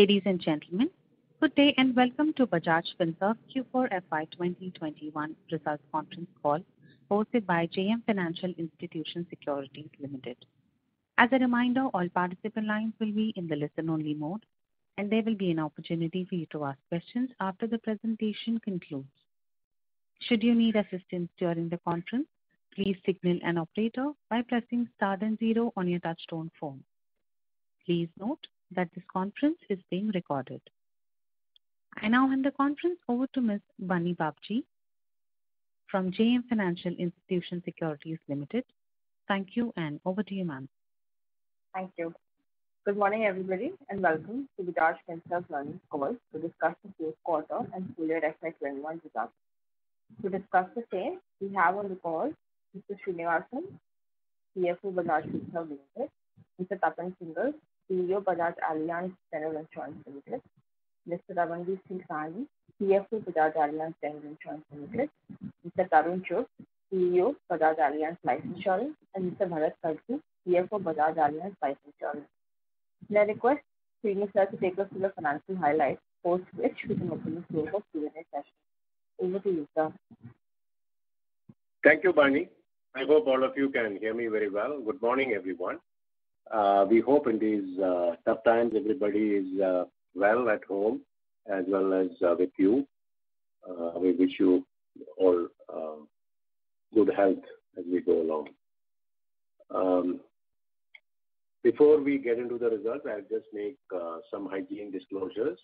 Ladies and gentlemen, good day and welcome to Bajaj Finserv Q4 FY 2021 results conference call, hosted by JM Financial Institutional Securities Limited. As a reminder, all participant lines will be in the listen only mode, and there will be an opportunity for you to ask questions after the presentation concludes. Should you need assistance during the conference, please signal an operator by pressing star and zero on your touch tone phone. Please note that this conference is being recorded. I now hand the conference over to Ms. Bunny Babjee from JM Financial Institutional Securities Limited. Thank you, and over to you, ma'am. Thank you. Good morning, everybody, and welcome to Bajaj Finserv earnings call to discuss the Q4 and full year FY 2021 results. To discuss the same, we have on the call Mr. S. Sreenivasan, CFO, Bajaj Finserv Limited, Mr. Tapan Singhel, CEO, Bajaj Allianz General Insurance Limited, Mr. Ramandeep Singh Sahni, CFO, Bajaj Allianz General Insurance Limited, Mr. Tarun Chugh, CEO, Bajaj Allianz Life Insurance, and Mr. Bharat Kalsi, CFO, Bajaj Allianz Life Insurance. May I request S. Sreenivasan to take us through the financial highlights, post which we can open the floor for Q&A session. Over to you, sir. Thank you, Bunny. I hope all of you can hear me very well. Good morning, everyone. We hope in these tough times everybody is well at home as well as with you. We wish you all good health as we go along. Before we get into the results, I'll just make some hygiene disclosures.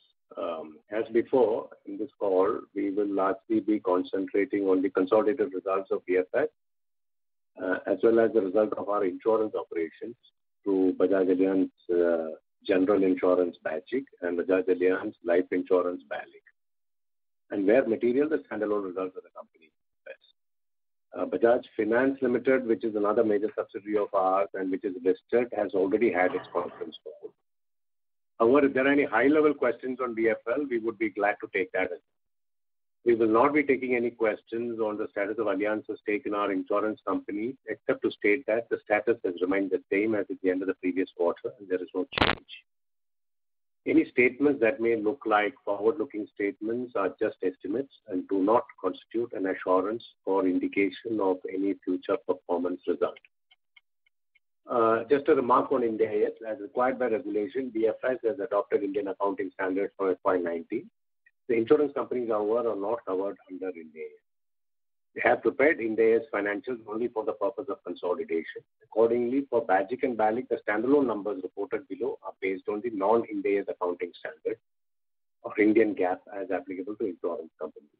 As before, in this call, we will largely be concentrating on the consolidated results of BFL, as well as the result of our insurance operations through Bajaj Allianz General Insurance, BAGIC, and Bajaj Allianz Life Insurance, BALIC. Where material, the standalone results of the company invest. Bajaj Finance Limited, which is another major subsidiary of ours and which is listed, has already had its conference call. However, if there are any high-level questions on BFL, we would be glad to take that as well. We will not be taking any questions on the status of Allianz's stake in our insurance company, except to state that the status has remained the same as at the end of the previous quarter, and there is no change. Any statements that may look like forward-looking statements are just estimates and do not constitute an assurance or indication of any future performance result. Just a remark on Ind AS. As required by regulation, BFL has adopted Indian Accounting Standards for FY 2019. The insurance companies, however, are not covered under Ind AS. We have prepared Ind AS financials only for the purpose of consolidation. Accordingly, for BAGIC and BALIC, the standalone numbers reported below are based on the non-Ind AS accounting standard or Indian GAAP as applicable to insurance companies.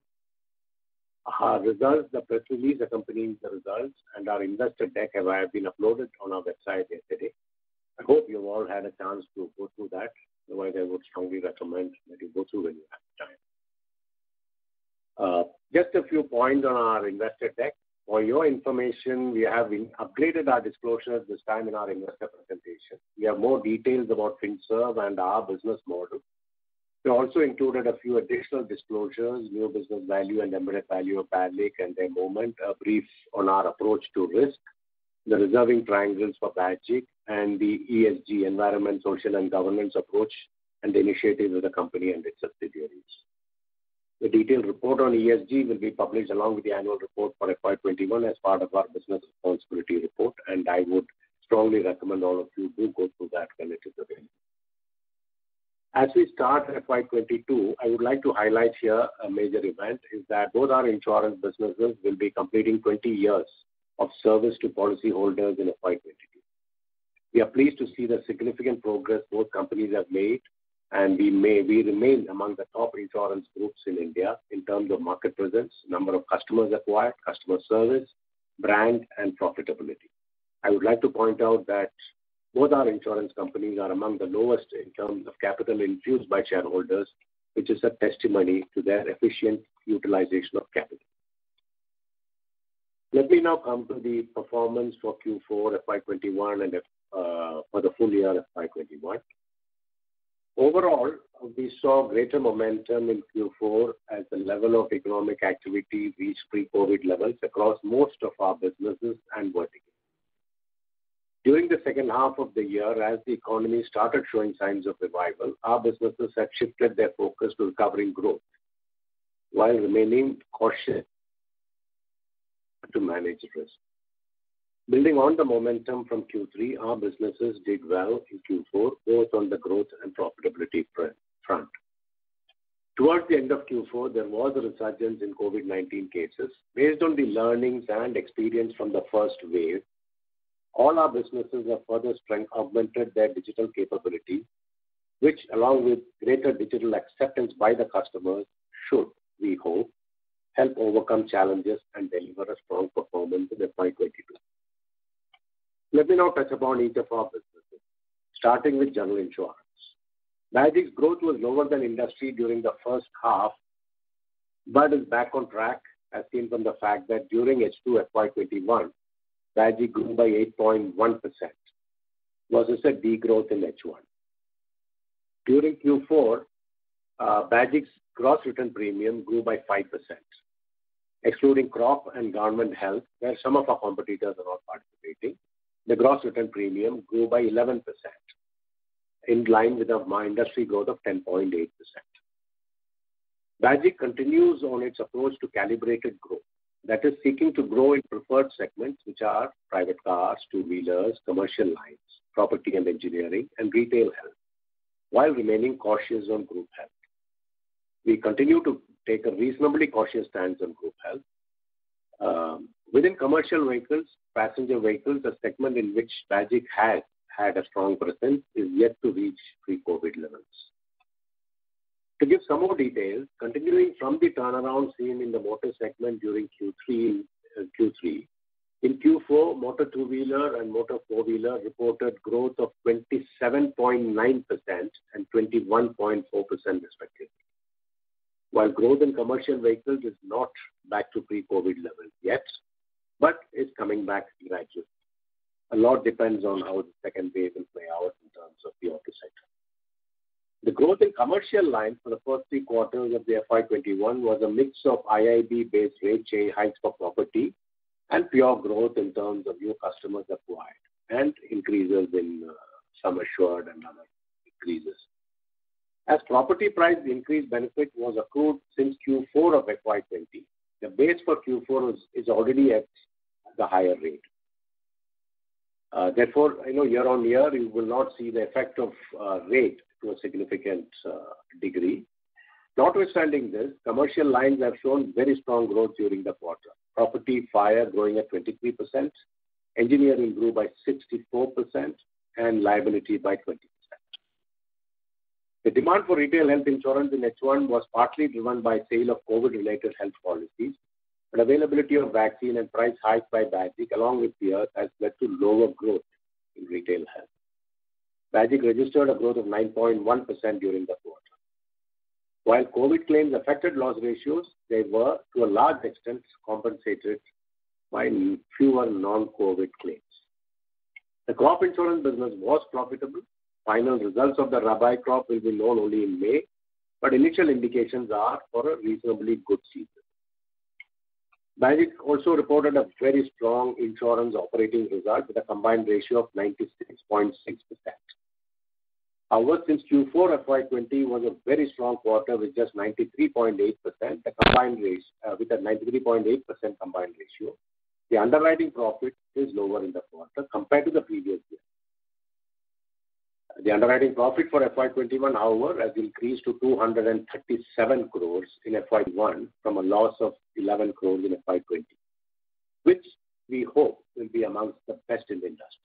Our results, the press release accompanying the results, and our investor deck have been uploaded on our website yesterday. I hope you've all had a chance to go through that, and while I would strongly recommend that you go through when you have time. Just a few points on our investor deck. For your information, we have updated our disclosures this time in our investor presentation. We have more details about Finserv and our business model. We also included a few additional disclosures, new business value and embedded value of BALIC and their movement, a brief on our approach to risk, the reserving triangles for BAGIC and the ESG environment, social and governance approach, and initiatives of the company and its subsidiaries. The detailed report on ESG will be published along with the annual report for FY 2021 as part of our business responsibility report. I would strongly recommend all of you do go through that when it is available. As we start FY 2022, I would like to highlight here a major event, is that both our insurance businesses will be completing 20 years of service to policyholders in FY 2022. We are pleased to see the significant progress both companies have made, and we remain among the top insurance groups in India in terms of market presence, number of customers acquired, customer service, brand, and profitability. I would like to point out that both our insurance companies are among the lowest in terms of capital infused by shareholders, which is a testimony to their efficient utilization of capital. Let me now come to the performance for Q4 FY 2021 and for the full year FY 2021. Overall, we saw greater momentum in Q4 as the level of economic activity reached pre-COVID levels across most of our businesses and verticals. During the second half of the year, as the economy started showing signs of revival, our businesses had shifted their focus to recovering growth while remaining cautious to manage risk. Building on the momentum from Q3, our businesses did well in Q4, both on the growth and profitability front. Towards the end of Q4, there was a resurgence in COVID-19 cases. Based on the learnings and experience from the first wave, all our businesses have further strengthened, augmented their digital capability, which along with greater digital acceptance by the customers, should, we hope, help overcome challenges and deliver a strong performance in FY 2022. Let me now touch upon each of our businesses, starting with general insurance. BAGIC's growth was lower than industry during the first half but is back on track as seen from the fact that during H2 FY 2021, BAGIC grew by 8.1%, versus a degrowth in H1. During Q4, BAGIC's gross written premium grew by 5%. Excluding crop and government health, where some of our competitors are not participating, the gross written premium grew by 11%, in line with our industry growth of 10.8%. Bajaj continues on its approach to calibrated growth that is seeking to grow in preferred segments, which are private cars, two-wheelers, commercial lines, property and engineering, and retail health, while remaining cautious on group health. We continue to take a reasonably cautious stance on group health. Within commercial vehicles, passenger vehicles, the segment in which Bajaj has had a strong presence, is yet to reach pre-COVID-19 levels. To give some more details, continuing from the turnaround seen in the motor segment during Q3. In Q4, motor two-wheeler and motor four-wheeler reported growth of 27.9% and 21.4% respectively. While growth in commercial vehicles is not back to pre-COVID levels yet, but it's coming back gradually. A lot depends on how the second wave will play out in terms of the office sector. The growth in commercial lines for the first three quarters of the FY 2021 was a mix of IIB-based rate change hikes for property and pure growth in terms of new customers acquired and increases in some assured and other increases. As property price increase benefit was accrued since Q4 of FY 2020, the base for Q4 is already at the higher rate. Therefore, year-over-year, you will not see the effect of rate to a significant degree. Notwithstanding this, commercial lines have shown very strong growth during the quarter. Property fire growing at 23%, engineering grew by 64%, and liability by 20%. The demand for retail health insurance in H1 was partly driven by sale of COVID-related health policies, but availability of vaccine and price hikes by Bajaj, along with peers, has led to lower growth in retail health. Bajaj registered a growth of 9.1% during the quarter. While COVID claims affected loss ratios, they were to a large extent compensated by fewer non-COVID claims. The crop insurance business was profitable. Final results of the abi crop will be known only in May, but initial indications are for a reasonably good season. Bajaj also reported a very strong insurance operating result with a combined ratio of 96.6%. Since Q4 FY 2020 was a very strong quarter with a 93.8% combined ratio, the underwriting profit is lower in the quarter compared to the previous year. The underwriting profit for FY 2021, however, has increased to 237 crores in FY 2021 from a loss of 11 crores in FY 2020, which we hope will be among the best in the industry.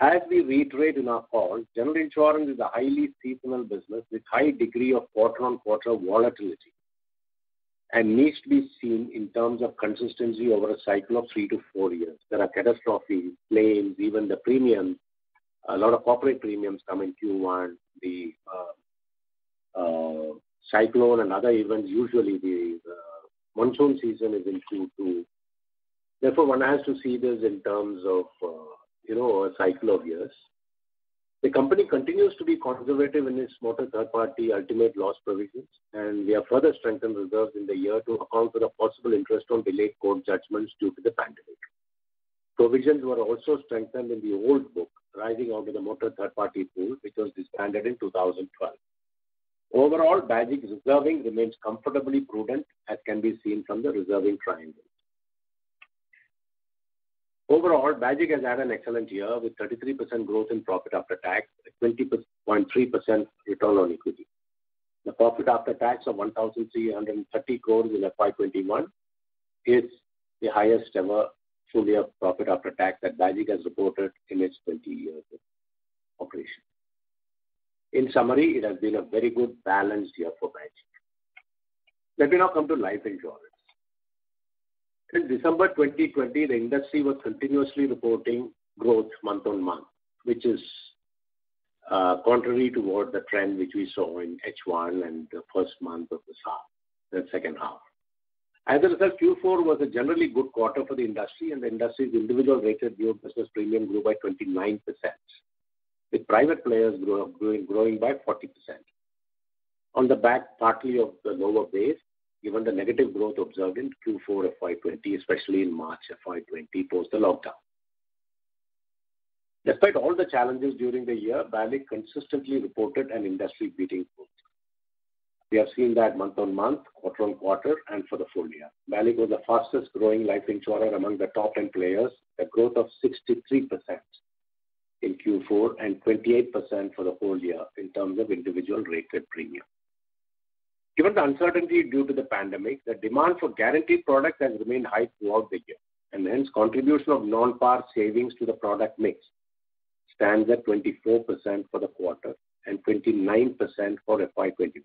As we reiterate in our calls, general insurance is a highly seasonal business with high degree of quarter-on-quarter volatility and needs to be seen in terms of consistency over a cycle of three to four years. There are catastrophes, claims, even the premiums. A lot of corporate premiums come in Q1, the cyclone and other events usually the monsoon season is in Q2. Therefore, one has to see this in terms of a cycle of years. The company continues to be conservative in its motor third-party ultimate loss provisions, and we have further strengthened reserves in the year to account for the possible interest on delayed court judgments due to the pandemic. Provisions were also strengthened in the old book, rising out of the motor third-party pool, which was disbanded in 2012. Overall, Bajaj's reserving remains comfortably prudent, as can be seen from the reserving triangle. Overall, Bajaj has had an excellent year with 33% growth in profit after tax at 20.3% return on equity. The profit after tax of 1,330 crores in FY 2021 is the highest ever full year profit after tax that Bajaj has reported in its 20 years of operation. In summary, it has been a very good balanced year for Bajaj. Let me now come to life insurance. In December 2020, the industry was continuously reporting growth month-on-month, which is contrary toward the trend which we saw in H1 and the first month of this half, the second half. As a result, Q4 was a generally good quarter for the industry, and the industry's individual rated pure business premium grew by 29%, with private players growing by 40%. On the back, partly of the lower base, given the negative growth observed in Q4 of FY 2020, especially in March FY 2020, post the lockdown. Despite all the challenges during the year, Bajaj consistently reported an industry-leading growth. We have seen that month-on-month, quarter-on-quarter, and for the full year. Bajaj was the fastest growing life insurer among the top 10 players, a growth of 63% in Q4 and 28% for the full year in terms of individual rated premium. Given the uncertainty due to the pandemic, the demand for guarantee products has remained high throughout the year, and hence contribution of non-par savings to the product mix stands at 24% for the quarter and 29% for FY 2021.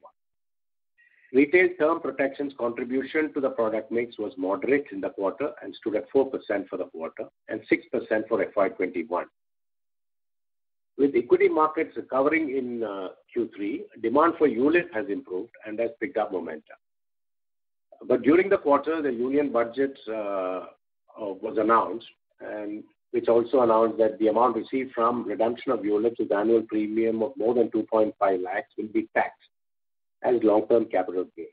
Retail term protections contribution to the product mix was moderate in the quarter and stood at 4% for the quarter and 6% for FY 2021. With equity markets recovering in Q3, demand for unit has improved and has picked up momentum. During the quarter, the Union Budget was announced, which also announced that the amount received from redemption of ULIPs with annual premium of more than 2.5 lakh will be taxed as long-term capital gains.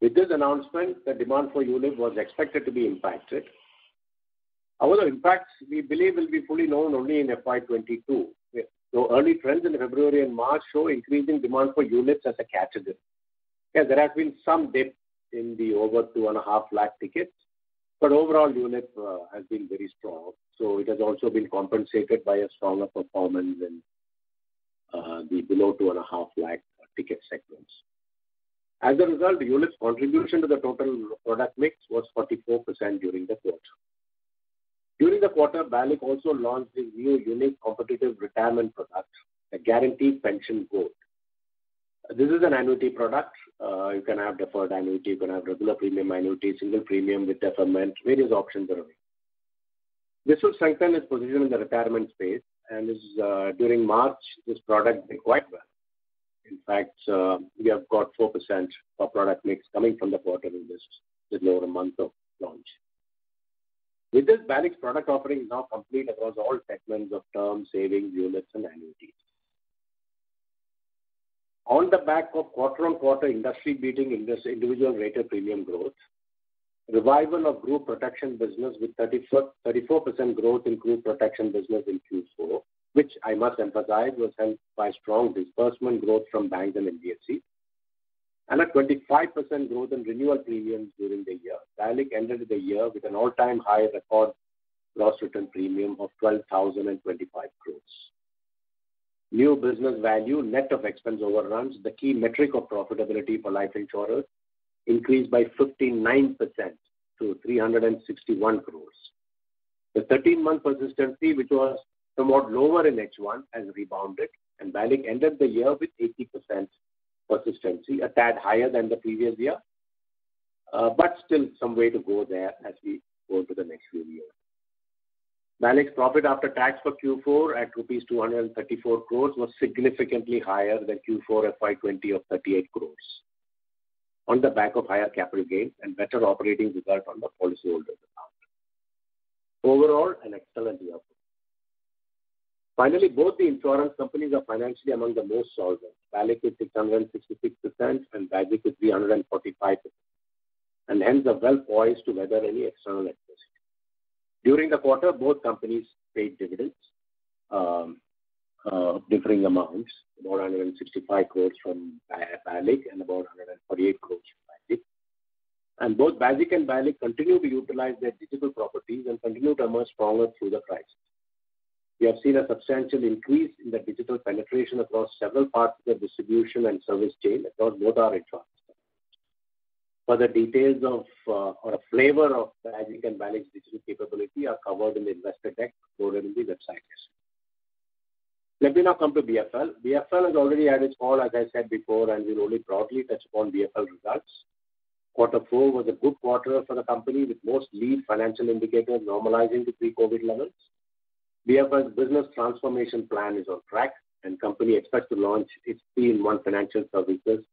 With this announcement, the demand for ULIP was expected to be impacted. Although impacts, we believe will be fully known only in FY 2022. Early trends in February and March show increasing demand for ULIPs as a category. Yes, there has been some dip in the over 2.5 lakh tickets, but overall ULIP has been very strong. It has also been compensated by a stronger performance in the below 2.5 lakh ticket segments. As a result, ULIP's contribution to the total product mix was 44% during the quarter. During the quarter, BALIC also launched a new unique competitive retirement product, a Guaranteed Pension Goal. This is an annuity product. You can have deferred annuity. You can have regular premium annuity, single premium with deferment. Various options are available. This will strengthen its position in the retirement space and during March, this product did quite well. In fact, we have got 4% of product mix coming from the Guaranteed Pension Goal in this, with little over a month of launch. With this, BALIC's product offering is now complete across all segments of term, savings, ULIPs and annuities. On the back of quarter-on-quarter industry beating individual rated premium growth, revival of group protection business with 34% growth in group protection business in Q4, which I must emphasize was helped by strong disbursement growth from banks and NBFC. A 25% growth in renewal premiums during the year. BALIC ended the year with an all-time high record gross written premium of 12,025 crores. New business value, net of expense overruns, the key metric of profitability for life insurers, increased by 59% to 361 crores. The 13-month persistency, which was somewhat lower in H1, has rebounded, and BALIC ended the year with 80% persistency, a tad higher than the previous year, but still some way to go there as we go to the next few years. BALIC's profit after tax for Q4 at rupees 234 crore was significantly higher than Q4 FY 2020 of 38 crore on the back of higher capital gains and better operating result on the policyholder account. Overall, an excellent year. Finally, both the insurance companies are financially among the most solvent. BALIC with 666% and BAGIC with 345%. Hence are well poised to weather any external adversity. During the quarter, both companies paid dividends, differing amounts, about 165 crore from BALIC and about 148 crore from BAGIC. Both BAGIC and BALIC continue to utilize their digital properties and continue to emerge stronger through the crisis. We have seen a substantial increase in the digital penetration across several parts of their distribution and service chain across both our insurance companies. Further details of or a flavor of BAGIC and BALIC's digital capability are covered in the investor deck loaded in the website. Let me now come to BFL. BFL has already had its call, as I said before. We'll only broadly touch upon BFL results. Quarter four was a good quarter for the company with most lean financial indicators normalizing to pre-COVID levels. BFL's business transformation plan is on track. Company expects to launch its three in one financial services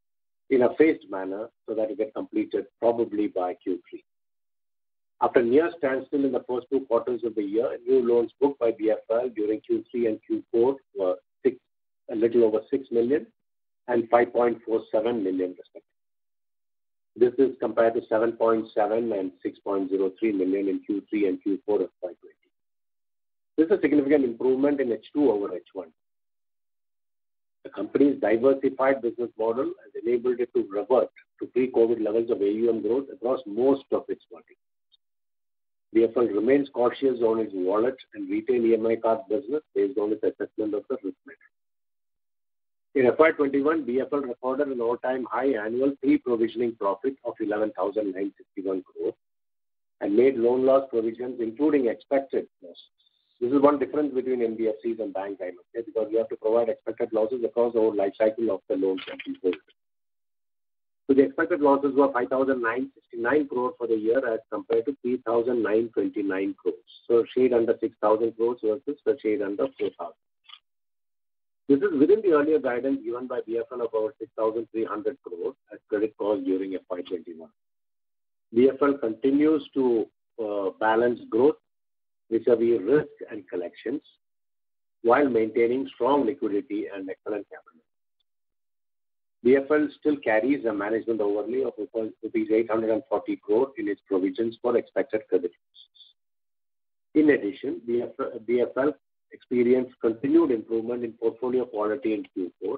in a phased manner so that it get completed probably by Q3. After near standstill in the first two quarters of the year, new loans booked by BFL during Q3 and Q4 were a little over 6 million and 5.47 million, respectively. This is compared to 7.7 and 6.03 million in Q3 and Q4 of FY 2020. This is a significant improvement in H2 over H1. The company's diversified business model has enabled it to revert to pre-COVID levels of AUM growth across most of its verticals. BFL remains cautious on its wallet and retail EMI card business based on its assessment of the risk matrix. In FY 2021, BFL recorded an all-time high annual pre-provisioning profit of 11,961 crore and made loan loss provisions, including expected losses. This is one difference between NBFCs and bank financing because we have to provide expected losses across our lifecycle of the loans that we hold. The expected losses were 5,969 crore for the year as compared to 3,929 crores. A shade under 6,000 crores versus a shade under 4,000. This is within the earlier guidance given by BFL of over 6,300 crore at credit cost during FY 2021. BFL continues to balance growth vis-à-vis risk and collections while maintaining strong liquidity and excellent capital. BFL still carries a management overlay of 840 crore in its provisions for expected credit losses. In addition, BFL experienced continued improvement in portfolio quality in Q4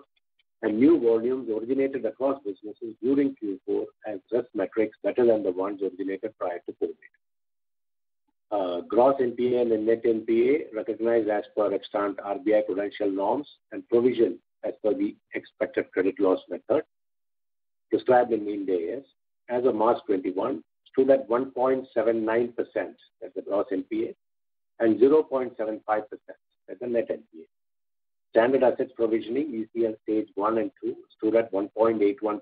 and new volumes originated across businesses during Q4 has just metrics better than the ones originated prior to COVID. Gross NPA and net NPA recognized as per extant RBI prudential norms and provision as per the expected credit loss method described in Ind AS as of March 2021 stood at 1.79% as the gross NPA and 0.75% as the net NPA. Standard assets provisioning ECL stage one and two stood at 1.81%,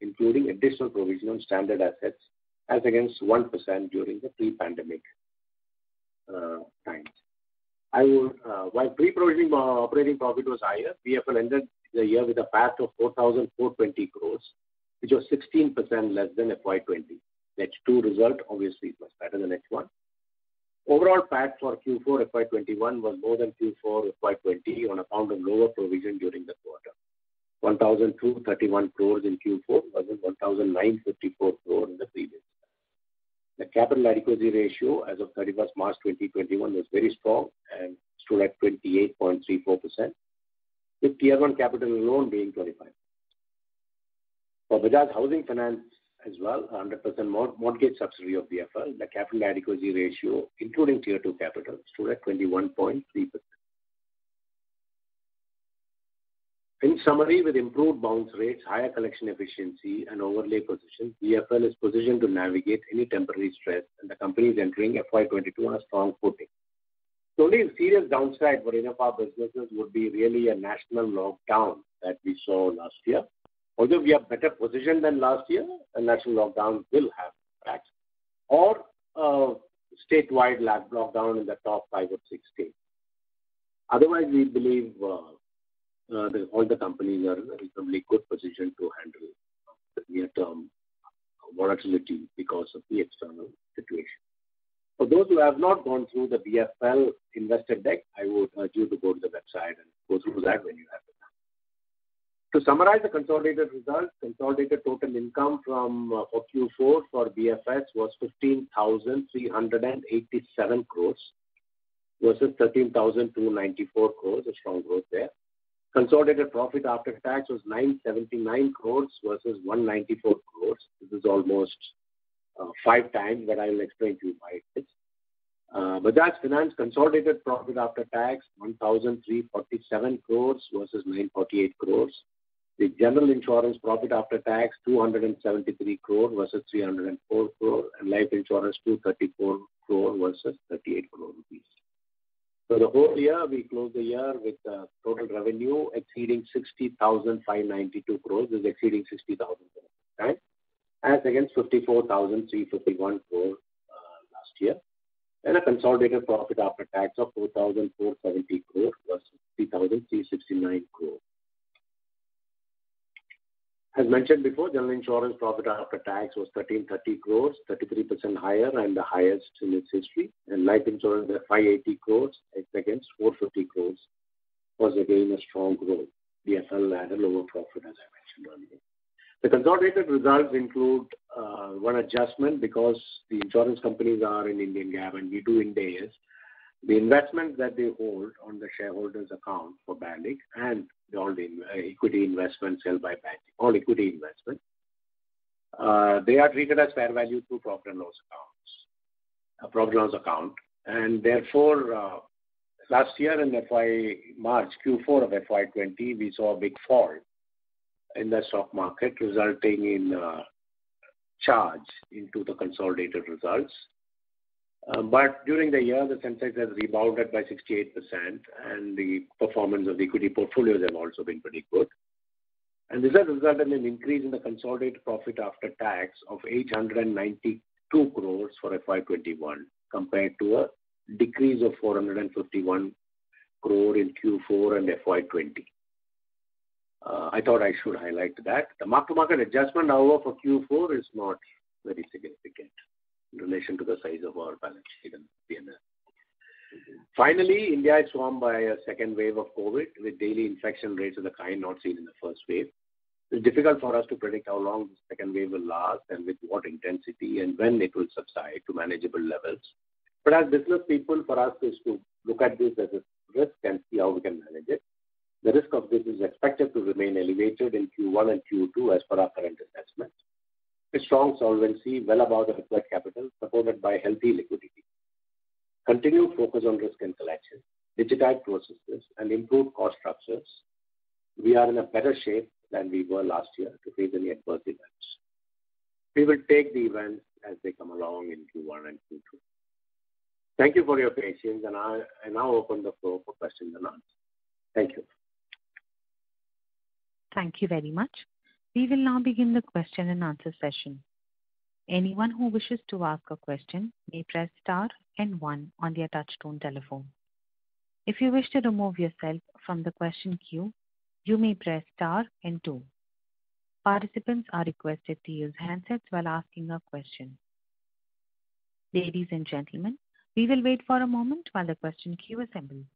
including additional provision on standard assets as against 1% during the pre-pandemic. While pre-provision operating profit was higher, BFL ended the year with a PAT of 4,420 crores, which was 16% less than FY 2020. The H2 result obviously was better than H1. Overall PAT for Q4 FY 2021 was more than Q4 FY 2020 on account of lower provision during the quarter, 1,231 crores in Q4 versus 1,954 crore in the previous. The capital adequacy ratio as of 31st March 2021 was very strong and stood at 28.34%, with Tier one capital alone being 25. For Bajaj Housing Finance as well, 100% mortgage subsidiary of BFL, the capital adequacy ratio, including Tier two capital, stood at 21.3%. In summary, with improved bounce rates, higher collection efficiency and overlay position, BFL is positioned to navigate any temporary stress, and the company is entering FY 2022 on a strong footing. The only serious downside for any of our businesses would be really a national lockdown that we saw last year. Although we are better positioned than last year, a national lockdown will have impacts or a statewide lockdown in the top five or six states. Otherwise, we believe all the companies are in reasonably good position to handle the near-term volatility because of the external situation. For those who have not gone through the BFL investor deck, I would urge you to go to the website and go through that when you have the time. To summarize the consolidated results, consolidated total income for Q4 for BFS was 15,387 crores versus 13,294 crores. A strong growth there. Consolidated profit after tax was 979 crores versus 194 crores. This is almost five times that I will explain to you why it is. Bajaj Finance consolidated profit after tax INR 1,347 crores versus INR 948 crores. The general insurance profit after tax INR 273 crore versus INR 304 crore, and life insurance INR 234 crore versus INR 38 crore. The whole year, we close the year with total revenue exceeding INR 60,592 crores. This is exceeding INR 60,000 crores, right, as against INR 54,351 crore last year. A consolidated profit after tax of 4,470 crore versus 3,369 crore. As mentioned before, general insurance profit after tax was 1,330 crores, 33% higher and the highest in its history. Life insurance at 580 crores as against 450 crores was again a strong growth. BFL had a lower profit, as I mentioned earlier. The consolidated results include one adjustment because the insurance companies are in Indian GAAP and we do Ind AS. The investment that they hold on the shareholders account for banking and all equity investments held by bank, all equity investment, they are treated as fair value through profit and loss accounts, a profit and loss account. Therefore, last year in March Q4 of FY 2020, we saw a big fall in the stock market, resulting in a charge into the consolidated results. During the year, the Sensex has rebounded by 68% and the performance of the equity portfolios have also been pretty good. This has resulted in an increase in the consolidated profit after tax of 892 crores for FY 2021 compared to a decrease of 451 crore in Q4 and FY 2020. I thought I should highlight that. The mark-to-market adjustment however for Q4 is not very significant in relation to the size of our balance sheet and P&L. Finally, India is swamped by a second wave of COVID, with daily infection rates of the kind not seen in the first wave. It's difficult for us to predict how long the second wave will last and with what intensity and when it will subside to manageable levels. as business people, for us is to look at this as a risk and see how we can manage it. The risk of this is expected to remain elevated in Q1 and Q2 as per our current assessment. With strong solvency well above the required capital, supported by healthy liquidity, continued focus on risk and collections, digitized processes, and improved cost structures, we are in a better shape than we were last year to face any adverse events. We will take the events as they come along in Q1 and Q2. Thank you for your patience, and I now open the floor for questions and answers. Thank you. Thank you very much. We will now begin the question and answer session. Anyone who wishes to ask a question may press star and one on their touch-tone telephone. If you wish to remove yourself from the question queue, you may press star and two. Participants are requested to use handsets while asking a question. Ladies and gentlemen, we will wait for a moment while the question queue assembles.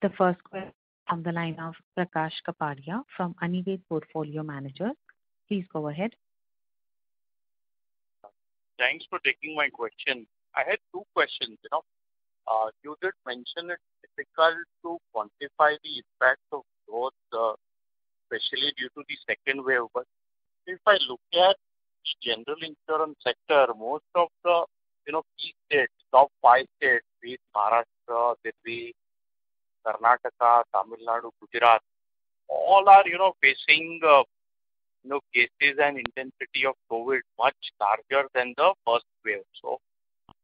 The first question on the line of Prakash Kapadia from Anived Portfolio Managers. Please go ahead. Thanks for taking my question. I had two questions. You did mention it's difficult to quantify the impact of growth, especially due to the second wave. If I look at the general insurance sector, most of the key states, top five states, be it Maharashtra, Delhi, Karnataka, Tamil Nadu, Gujarat, all are facing cases and intensity of COVID much larger than the first wave.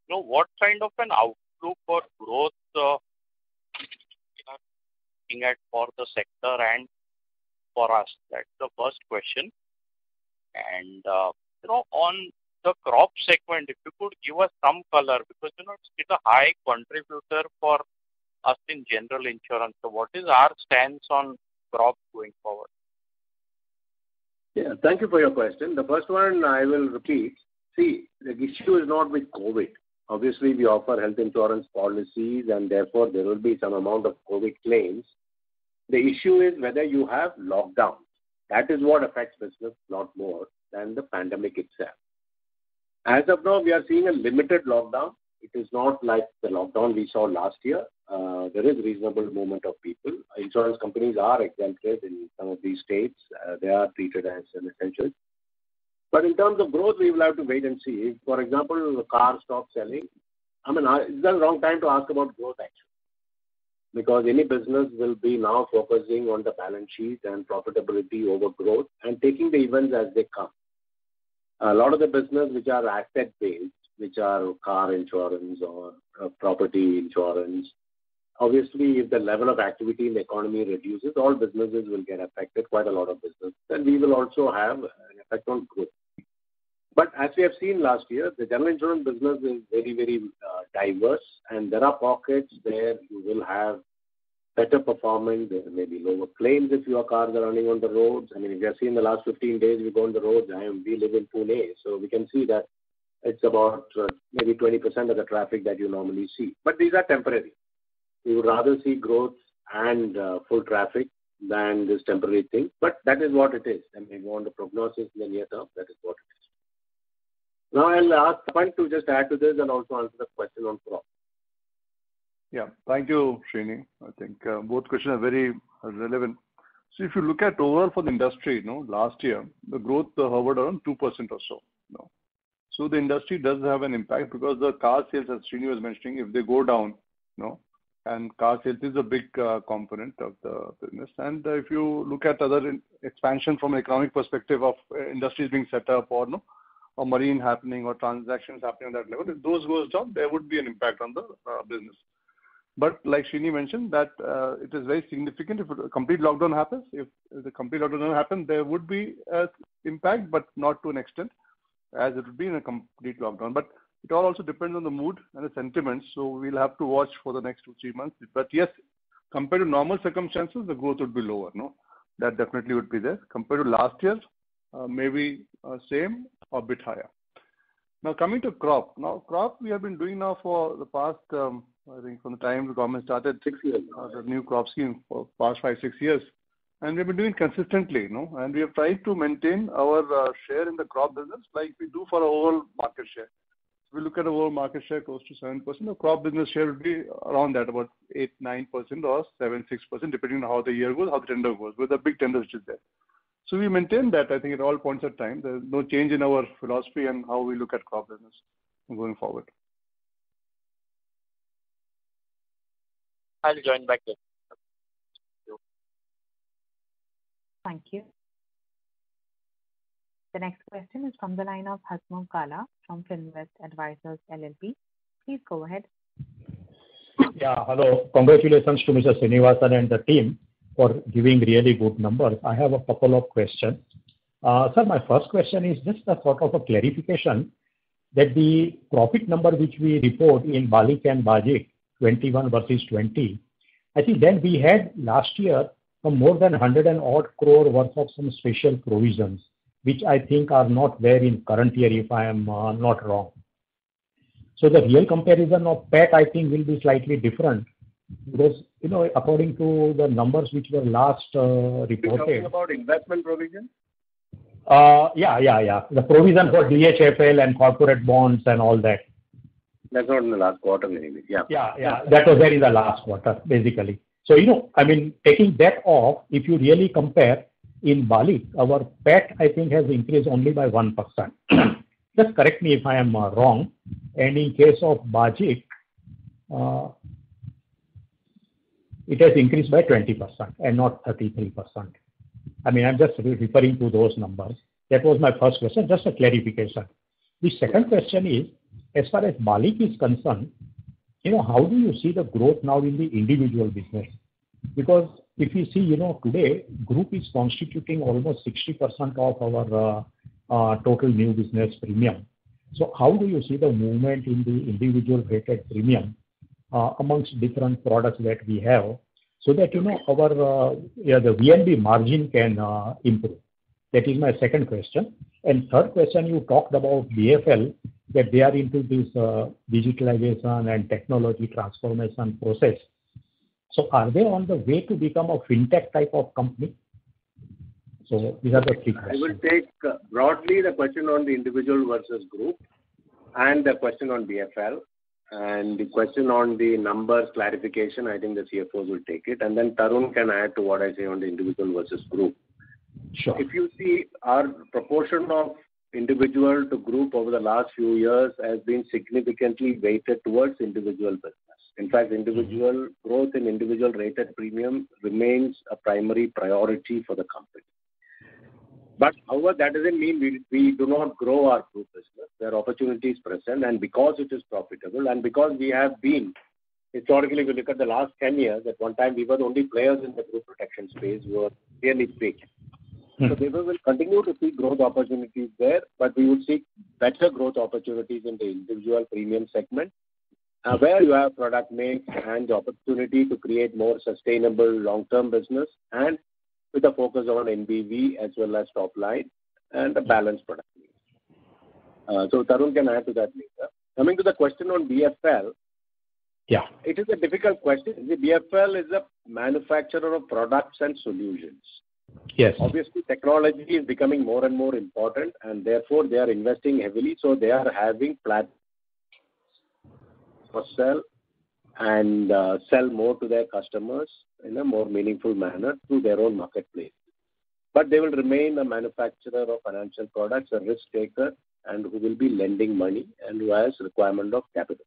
What kind of an outlook for growth are we looking at for the sector and for us? That's the first question. On the crop segment, if you could give us some color, because it's a high contributor for us in general insurance. What is our stance on crop going forward? Yeah, thank you for your question. The first one I will repeat. See, the issue is not with COVID. Obviously, we offer health insurance policies, and therefore, there will be some amount of COVID claims. The issue is whether you have lockdown. That is what affects business a lot more than the pandemic itself. As of now, we are seeing a limited lockdown. It is not like the lockdown we saw last year. There is reasonable movement of people. Insurance companies are exempted in some of these states. They are treated as an essential. In terms of growth, we will have to wait and see. For example, car stopped selling. I mean, it's the wrong time to ask about growth, actually. Any business will be now focusing on the balance sheet and profitability over growth and taking the events as they come. A lot of the business which are asset-based, which are car insurance or property insurance, obviously, if the level of activity in the economy reduces, all businesses will get affected, quite a lot of business. We will also have an effect on growth. As we have seen last year, the general insurance business is very diverse, and there are pockets where you will have better performance. There may be lower claims if your cars are running on the roads. I mean, we have seen the last 15 days we go on the roads, I am really living in Pune, so we can see that it's about maybe 20% of the traffic that you normally see. These are temporary. We would rather see growth and full traffic than this temporary thing. That is what it is. We want to prognosis in the near term, that is what it is. Now I'll ask Tarun to just add to this and also answer the question on crop. Yeah. Thank you, S. Sreenivasan. I think both questions are very relevant. If you look at overall for the industry last year, the growth hovered around 2% or so. The industry does have an impact because the car sales, as S. Sreenivasan was mentioning, if they go down, and car sales is a big component of the business. If you look at other expansion from economic perspective of industries being set up or marine happening or transactions happening at that level, if those goes down, there would be an impact on the business. Like S. Sreenivasan mentioned, that it is very significant if a complete lockdown happens. If the complete lockdown happen, there would be an impact, but not to an extent as it would be in a complete lockdown. It all also depends on the mood and the sentiments, so we'll have to watch for the next two, three months. Yes, compared to normal circumstances, the growth would be lower. That definitely would be there. Compared to last year, maybe same or bit higher. Now coming to crop. Now, crop we have been doing now for the past, I think from the time the government started six years, the new crop scheme for past five, six years, and we've been doing consistently. We have tried to maintain our share in the crop business like we do for our overall market share. If we look at the overall market share, close to 7%, crop business share would be around that, about 8%, 9% or 7%, 6%, depending on how the year goes, how the tender goes, but the big tender is still there. We maintain that, I think at all points of time. There's no change in our philosophy and how we look at crop business going forward. I'll join back in. Thank you. Thank you. The next question is from the line of Hasmukh Gala from Finvest Advisors LLP. Please go ahead. Yeah, hello. Congratulations to Mr. Sreenivasan and the team for giving really good numbers. I have a couple of questions. Sir, my first question is just a sort of a clarification that the profit number which we report in BALIC and Bajaj 2021 versus 2020. I think then we had last year a more than 100-odd crore worth of some special provisions, which I think are not there in current year if I am not wrong. The real comparison of PAT, I think, will be slightly different because according to the numbers which were last reported- Are you talking about investment provision? Yeah. The provision for DHFL and corporate bonds and all that. That's not in the last quarter anyway. Yeah. Yeah. That was there in the last quarter, basically. Taking that off, if you really compare in BALIC, our PAT, I think, has increased only by 1%. Just correct me if I am wrong. In case of Bajaj, it has increased by 20% and not 33%. I'm just referring to those numbers. That was my first question. Just a clarification. The second question is, as far as BALIC is concerned, how do you see the growth now in the individual business? Because if you see today, group is constituting almost 60% of our total new business premium. How do you see the movement in the individual rated premium amongst different products that we have so that our VNB margin can improve? That is my second question. Third question, you talked about BFL, that they are into this digitalization and technology transformation process. Are they on the way to become a fintech type of company? These are the three questions. I will take broadly the question on the individual versus group and the question on BFL, and the question on the numbers clarification, I think the CFOs will take it, and then Tarun can add to what I say on the individual versus group. Sure. If you see our proportion of individual to group over the last few years has been significantly weighted towards individual business. In fact, growth in individual rated premium remains a primary priority for the company. however, that doesn't mean we do not grow our group business. There are opportunities present, and because it is profitable and because we have been, historically when you look at the last 10 years, at one time we were the only players in the group protection space who were really big. We will continue to see growth opportunities there, but we would see better growth opportunities in the individual premium segment, where you have product mix and the opportunity to create more sustainable long-term business and with a focus on NBV as well as top line and a balanced product mix. Tarun can add to that later. Coming to the question on BFL. Yeah. It is a difficult question. You see, BFL is a manufacturer of products and solutions. Yes. Obviously, technology is becoming more and more important, and therefore, they are investing heavily, so they are having platforms for sale and sell more to their customers in a more meaningful manner through their own marketplace. They will remain a manufacturer of financial products, a risk-taker and who will be lending money and who has requirement of capital.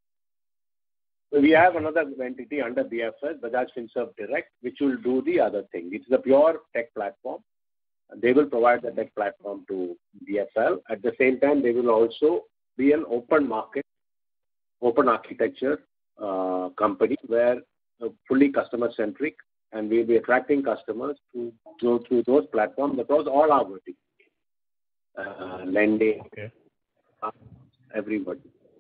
We have another entity under BFL, Bajaj Finserv Direct, which will do the other thing. It's a pure tech platform. They will provide the tech platform to BFL. At the same time, they will also be an open architecture company where fully customer-centric and we'll be attracting customers to go through those platforms because all our vertical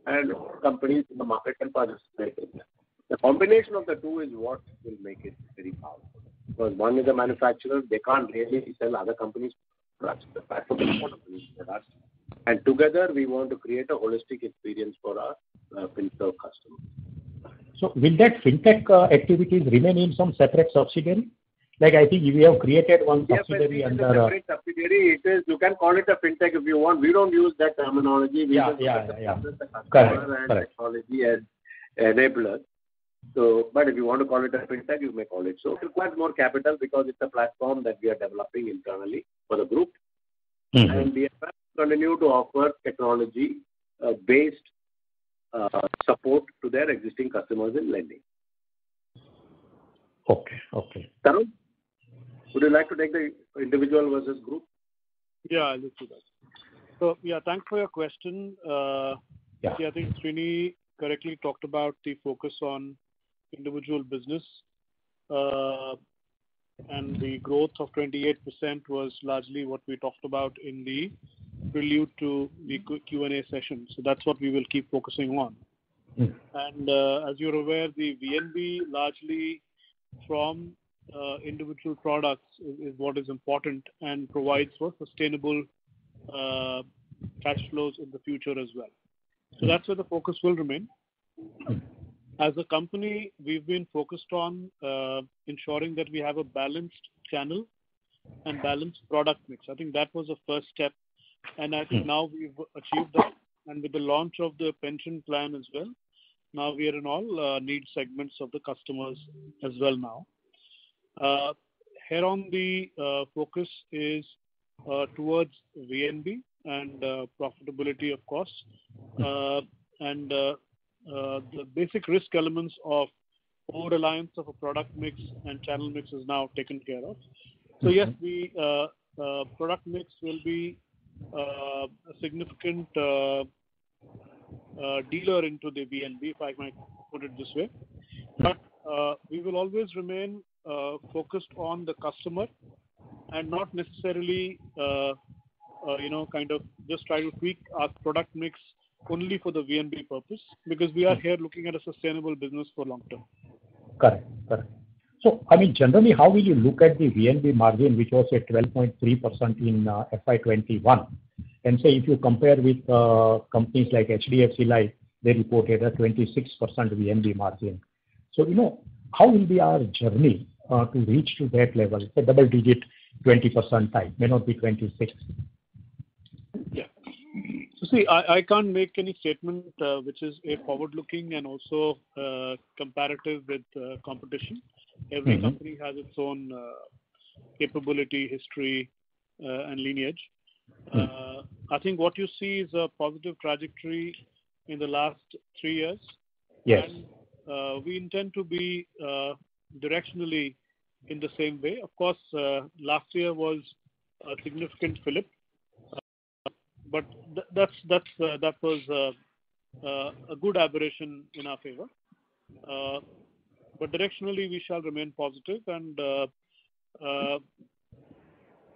lending- Okay Everybody and companies in the market can participate in that. The combination of the two is what will make it very powerful because one is a manufacturer. They can't really sell other companies products. The platform is going to be used for that. Together we want to create a holistic experience for our Finserv customer. Will that fintech activities remain in some separate subsidiary? Like I think you have created one subsidiary under- Yes, but it is a separate subsidiary. You can call it a fintech if you want. We don't use that terminology. We just look at the customer- Yeah. Correct Technology as enablers. If you want to call it a fintech, you may call it so. It requires more capital because it's a platform that we are developing internally for the group. BFL continue to offer technology-based support to their existing customers in lending. Okay. Tarun, would you like to take the individual versus group? Yeah, I'll look at that. yeah, thanks for your question. Yeah. See, I think S. Sreenivasan correctly talked about the focus on individual business. The growth of 28% was largely what we talked about in the prelude to the Q&A session. That's what we will keep focusing on. As you're aware, the VNB largely from individual products is what is important and provides for sustainable cash flows in the future as well. That's where the focus will remain. As a company, we've been focused on ensuring that we have a balanced channel and balanced product mix. I think that was the first step, and I think now we've achieved that. With the launch of the pension plan as well, now we are in all need segments of the customers as well now. Here on the focus is towards VNB and profitability, of course. The basic risk elements of over-reliance of a product mix and channel mix is now taken care of. Yes, the product mix will be a significant driver to the VNB, if I might put it this way. We will always remain focused on the customer and not necessarily just try to tweak our product mix only for the VNB purpose, because we are here looking at a sustainable business for long term. Correct. I mean, generally how will you look at the VNB margin, which was at 12.3% in FY 2021? say, if you compare with companies like HDFC Life, they reported a 26% VNB margin. how will be our journey to reach to that level, say double digit 20% type, may not be 26? Yeah. see, I can't make any statement which is a forward-looking and also comparative with competition. Every company has its own capability, history, and lineage. I think what you see is a positive trajectory in the last three years. Yes. We intend to be directionally in the same way. Of course, last year was a significant flip but that was a good aberration in our favor. directionally we shall remain positive and,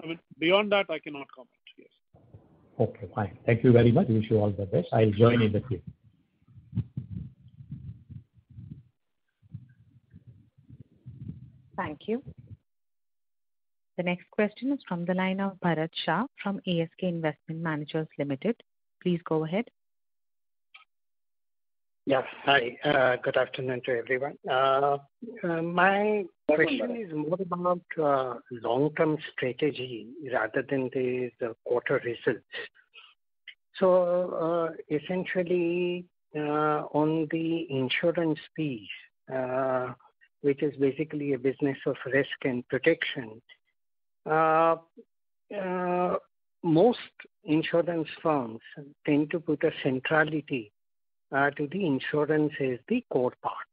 I mean, beyond that, I cannot comment. Yes. Okay, fine. Thank you very much. Wish you all the best. I'll join in the queue. Thank you. The next question is from the line of Bharat Shah from ASK Investment Managers Limited. Please go ahead. Yes. Hi. Good afternoon to everyone. My question is more about long-term strategy rather than the quarter results. Essentially, on the insurance piece, which is basically a business of risk and protection, most insurance firms tend to put a centrality to the insurance as the core part.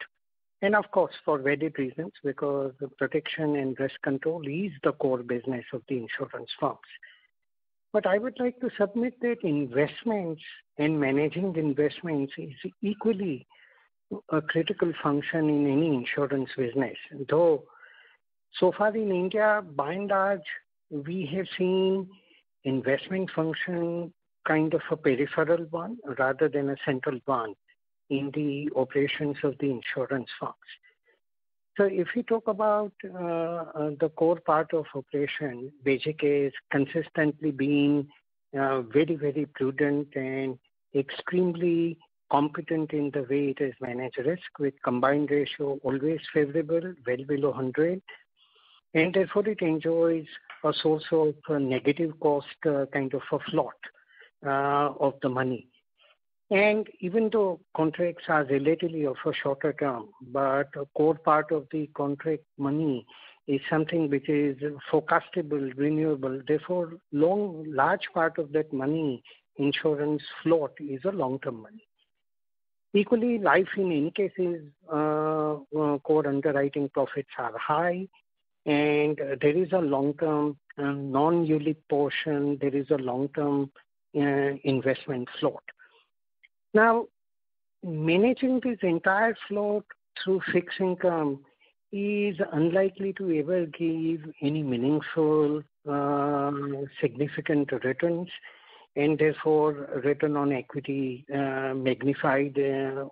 Of course, for valid reasons, because the protection and risk control is the core business of the insurance firms. I would like to submit that investments and managing the investments is equally a critical function in any insurance business. So far in India, by and large, we have seen investment function kind of a peripheral one rather than a central one in the operations of the insurance firms. If you talk about the core part of operation, Bajaj has consistently been very, very prudent and extremely competent in the way it has managed risk with combined ratio always favorable, well below 100, and therefore it enjoys a source of negative cost kind of a float of the money. Even though contracts are relatively of a shorter term, but a core part of the contract money is something which is forecastable, renewable, therefore, large part of that money insurance float is a long-term money. Equally, Life in any case is core underwriting profits are high, and there is a long-term non-ULIP portion, there is a long-term investment float. Managing this entire float through fixed income is unlikely to ever give any meaningful significant returns, and therefore return on equity magnified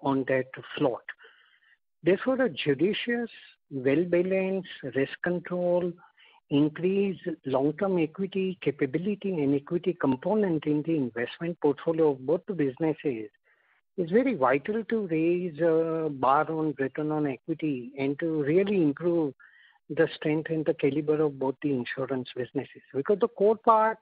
on that float. Therefore, a judicious, well-balanced risk control increase long-term equity capability and equity component in the investment portfolio of both the businesses is very vital to raise a bar on return on equity and to really improve the strength and the caliber of both the insurance businesses. Because the core part,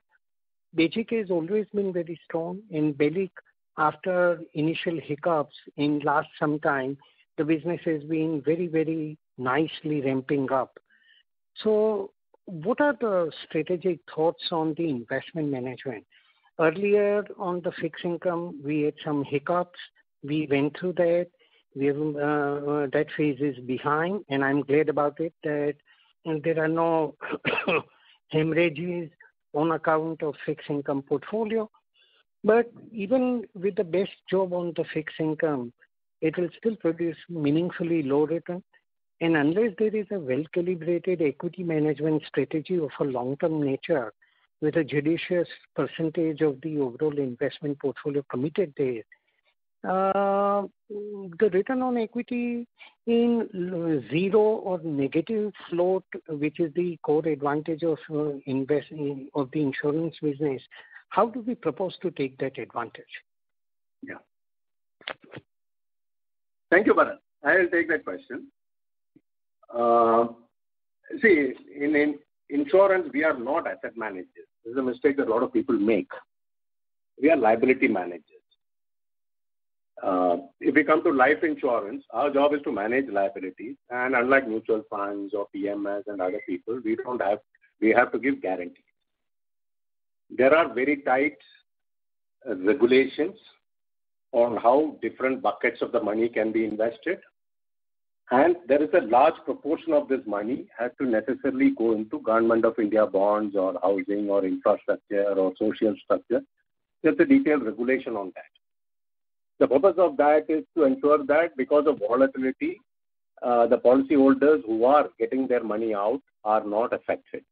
Bajaj has always been very strong. In BALIC, after initial hiccups in last some time, the business has been very nicely ramping up. What are the strategic thoughts on the investment management? Earlier on the fixed income, we had some hiccups. We went through that. That phase is behind, and I'm glad about it, that there are no hemorrhages on account of fixed income portfolio. Even with the best job on the fixed income, it will still produce meaningfully low return. Unless there is a well-calibrated equity management strategy of a long-term nature with a judicious percentage of the overall investment portfolio committed there, the return on equity in zero or negative float, which is the core advantage of the insurance business, how do we propose to take that advantage? Yeah. Thank you, Bharat. I will take that question. See, in insurance, we are not asset managers. This is a mistake that a lot of people make. We are liability managers. If we come to life insurance, our job is to manage liabilities, and unlike mutual funds or PMS and other people, we have to give guarantees. There are very tight regulations on how different buckets of the money can be invested, and there is a large proportion of this money has to necessarily go into Government of India bonds or housing or infrastructure or social structure. There's a detailed regulation on that. The purpose of that is to ensure that because of volatility, the policyholders who are getting their money out are not affected.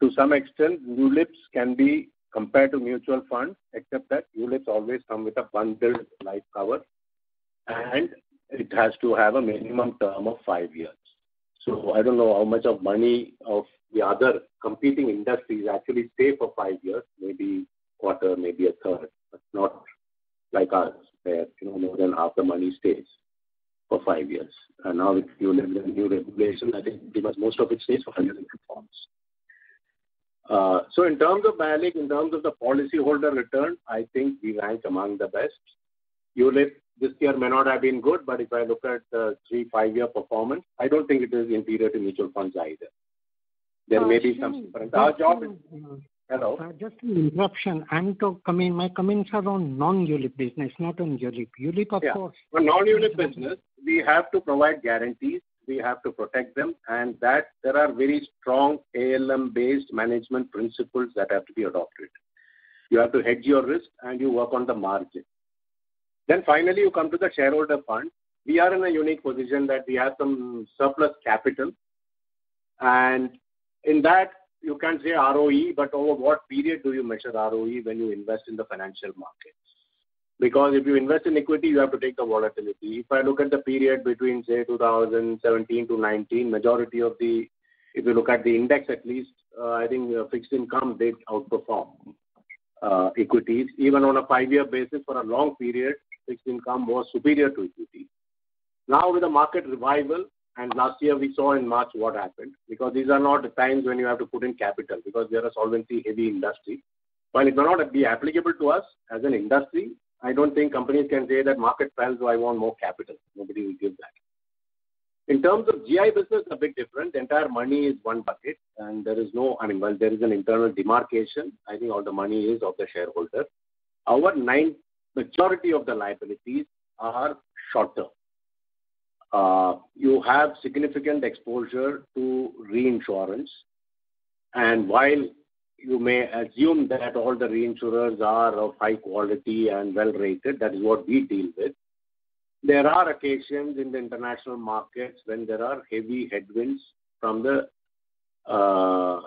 To some extent, ULIPs can be compared to mutual funds, except that ULIPs always come with a bundled life cover, and it has to have a minimum term of five years. I don't know how much of money of the other competing industries actually stay for five years, maybe a quarter, maybe a third, but not like us, where more than half the money stays for five years. Now with the new regulation, I think because most of it stays for hundred and conforms. In terms of value, in terms of the policyholder return, I think we rank among the best. ULIP this year may not have been good, but if I look at the three, five-year performance, I don't think it is inferior to mutual funds either. There may be some- Just- Hello? Just an interruption. My comments are on non-ULIP business, not on ULIP. Yeah. For non-ULIP business, we have to provide guarantees, we have to protect them, and there are very strong ALM-based management principles that have to be adopted. You have to hedge your risk and you work on the margin. Finally, you come to the shareholder fund. We are in a unique position that we have some surplus capital, and in that you can say ROE, but over what period do you measure ROE when you invest in the financial markets? If you invest in equity, you have to take the volatility. If I look at the period between, say, 2017 to 2019, if you look at the index at least, I think fixed income did outperform equities. On a five-year basis for a long period, fixed income was superior to equity. With the market revival, last year we saw in March what happened. These are not times when you have to put in capital, because we are a solvency-heavy industry. While it may not be applicable to us as an industry, I don't think companies can say that market fell, so I want more capital. Nobody will give that. In terms of GI business, a bit different. Entire money is one bucket. Well, there is an internal demarcation. I think all the money is of the shareholder. Majority of the liabilities are short-term. You have significant exposure to reinsurance. While you may assume that all the reinsurers are of high quality and well-rated, that is what we deal with. There are occasions in the international markets when there are heavy headwinds from the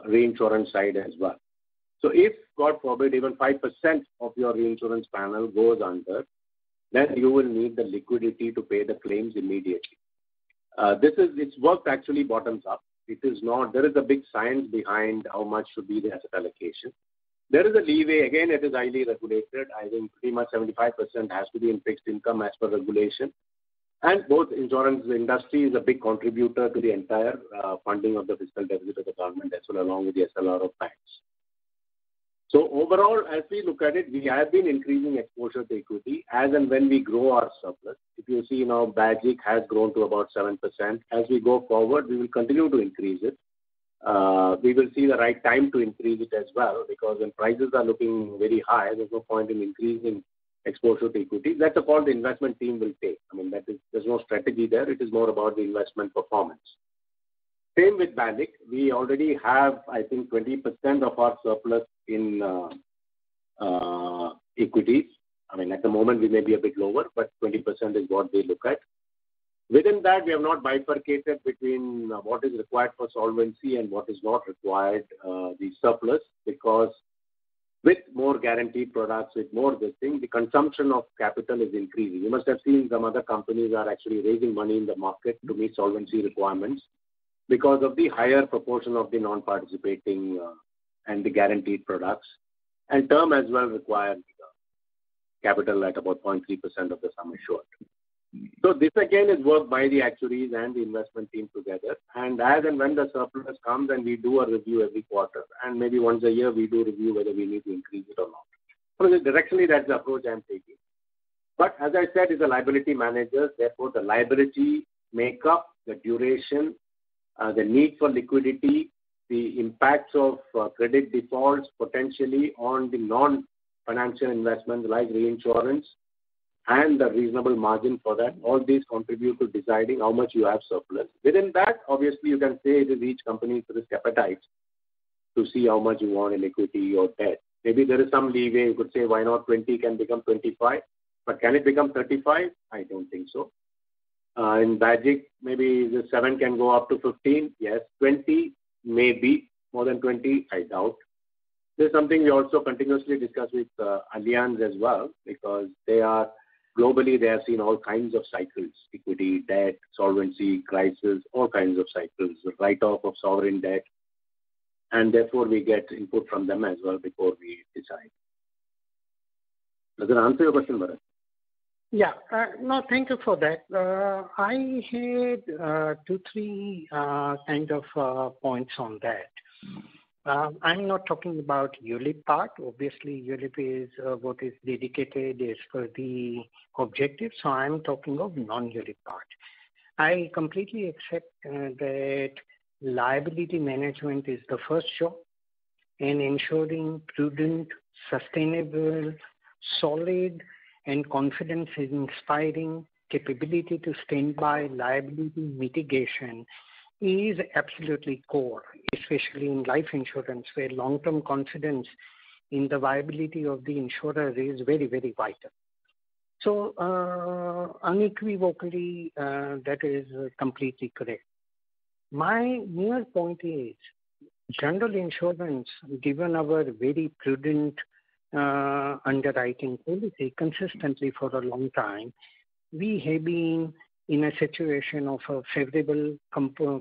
reinsurance side as well. If, God forbid, even 5% of your reinsurance panel goes under, then you will need the liquidity to pay the claims immediately. It's worked actually bottoms up. There is a big science behind how much should be the asset allocation. There is a leeway. Again, it is highly regulated. I think pretty much 75% has to be in fixed income as per regulation. Both insurance industry is a big contributor to the entire funding of the fiscal deficit of the Government as well, along with the SLR of banks. Overall, as we look at it, we have been increasing exposure to equity as and when we grow our surplus. If you see now, BAGIC has grown to about 7%. As we go forward, we will continue to increase it. We will see the right time to increase it as well, because when prices are looking very high, there's no point in increasing exposure to equity. That's a call the investment team will take. There's no strategy there. It is more about the investment performance. Same with BAGIC. We already have, I think 20% of our surplus in equities. At the moment, we may be a bit lower, but 20% is what we look at. Within that, we have not bifurcated between what is required for solvency and what is not required, the surplus, because with more guaranteed products, with more this thing, the consumption of capital is increasing. You must have seen some other companies are actually raising money in the market to meet solvency requirements because of the higher proportion of the non-participating and the guaranteed products. Term as well require capital at about 0.3% of the sum assured. This again is work by the actuaries and the investment team together. As and when the surplus comes, and we do a review every quarter, and maybe once a year, we do review whether we need to increase it or not. Directionally, that's the approach I'm taking. As I said, it's a liability manager. Therefore, the liability makeup, the duration, the need for liquidity, the impacts of credit defaults, potentially on the non-financial investments like reinsurance and the reasonable margin for that, all these contribute to deciding how much you have surplus. Within that, obviously, you can say it is each company to its appetite to see how much you want in equity or debt. Maybe there is some leeway. You could say why not 20 can become 25. Can it become 35? I don't think so. In BAGIC, maybe the seven can go up to 15. Yes. 20, maybe. More than 20, I doubt. This is something we also continuously discuss with Allianz as well because globally they have seen all kinds of cycles, equity, debt, solvency, crisis, all kinds of cycles, the write-off of sovereign debt, and therefore we get input from them as well before we decide. Does that answer your question, Bharat? Yeah. No, thank you for that. I had two, three kind of points on that. I'm not talking about ULIP part. Obviously, ULIP is what is dedicated as per the objective. I'm talking of non-ULIP part. I completely accept that liability management is the first job in ensuring prudent, sustainable, solid, and confidence in inspiring capability to stand by liability mitigation is absolutely core, especially in life insurance, where long-term confidence in the viability of the insurer is very, very vital. unequivocally, that is completely correct. My mere point is general insurance, given our very prudent underwriting policy consistently for a long time, we have been in a situation of a favorable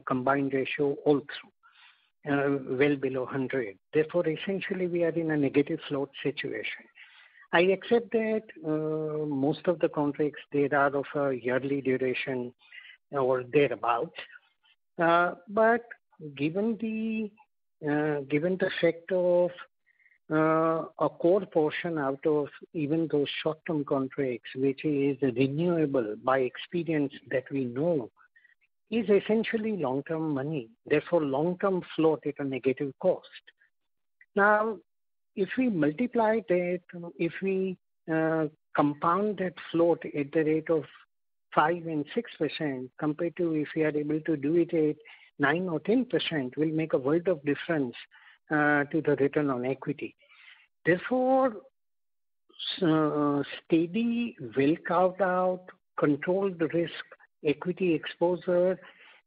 combined ratio all through, well below 100. Therefore, essentially, we are in a negative float situation. I accept that most of the contracts, they are of a yearly duration or thereabout. Given the fact of a core portion out of even those short-term contracts, which is renewable by experience that we know is essentially long-term money, therefore long-term float at a negative cost. If we multiply that, if we compound that float at the rate of 5% and 6% compared to if we are able to do it at 9% or 10%, will make a world of difference to the return on equity. Steady, well-carved out, controlled risk equity exposure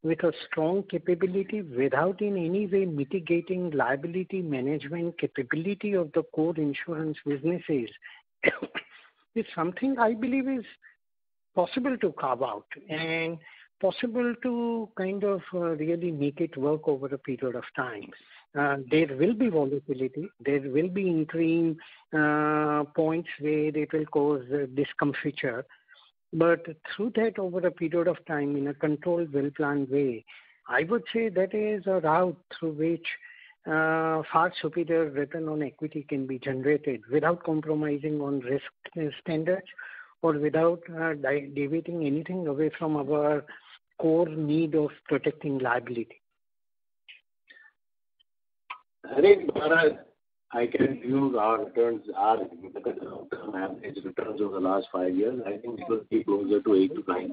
with a strong capability without in any way mitigating liability management capability of the core insurance businesses, is something I believe is possible to carve out. Possible to kind of really make it work over a period of time. There will be volatility, there will be interim points where it will cause discomfiture. Through that, over a period of time, in a controlled well-planned way, I would say that is a route through which far superior return on equity can be generated without compromising on risk standards or without deviating anything away from our core need of protecting liability. Bharat, I can use our returns, our return on average returns over the last five years. I think it will be closer to eight to five.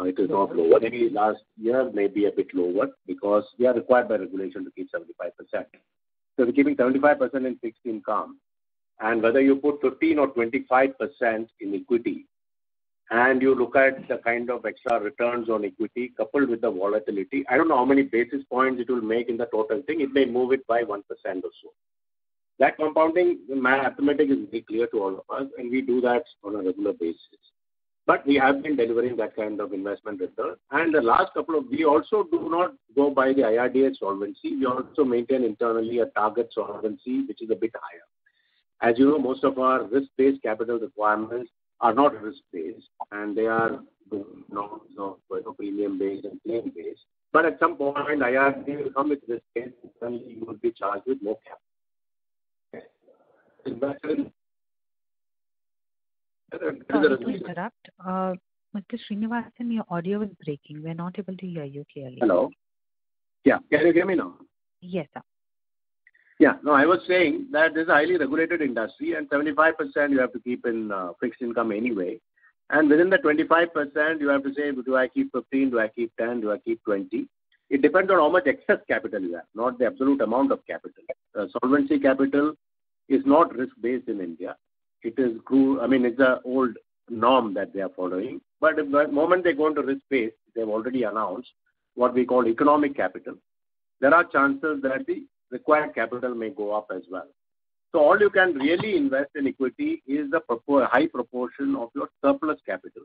It is not lower. Maybe last year may be a bit lower because we are required by regulation to keep 75%. We're keeping 75% in fixed income. Whether you put 15% or 25% in equity and you look at the kind of extra returns on equity coupled with the volatility, I don't know how many basis points it will make in the total thing. It may move it by 1% or so. That compounding, the math, arithmetic is very clear to all of us, and we do that on a regular basis. We have been delivering that kind of investment return. We also do not go by the IRDAI solvency. We also maintain internally a target solvency which is a bit higher. As you know, most of our risk-based capital requirements are not risk-based, and they are premium-based and claim-based. At some point, IRDAI will come with risk-based and you will be charged with more capital. Sorry to interrupt. Mr. S. Sreenivasan, your audio is breaking. We're not able to hear you clearly. Hello. Yeah. Can you hear me now? Yes, sir. Yeah. No, I was saying that this is a highly regulated industry, and 75% you have to keep in fixed income anyway. Within that 25%, you have to say, Do I keep 15? Do I keep 10? Do I keep 20? It depends on how much excess capital you have, not the absolute amount of capital. Solvency capital is not risk-based in India. It's the old norm that they are following. The moment they go into risk-based, they've already announced what we call economic capital. There are chances that the required capital may go up as well. All you can really invest in equity is the high proportion of your surplus capital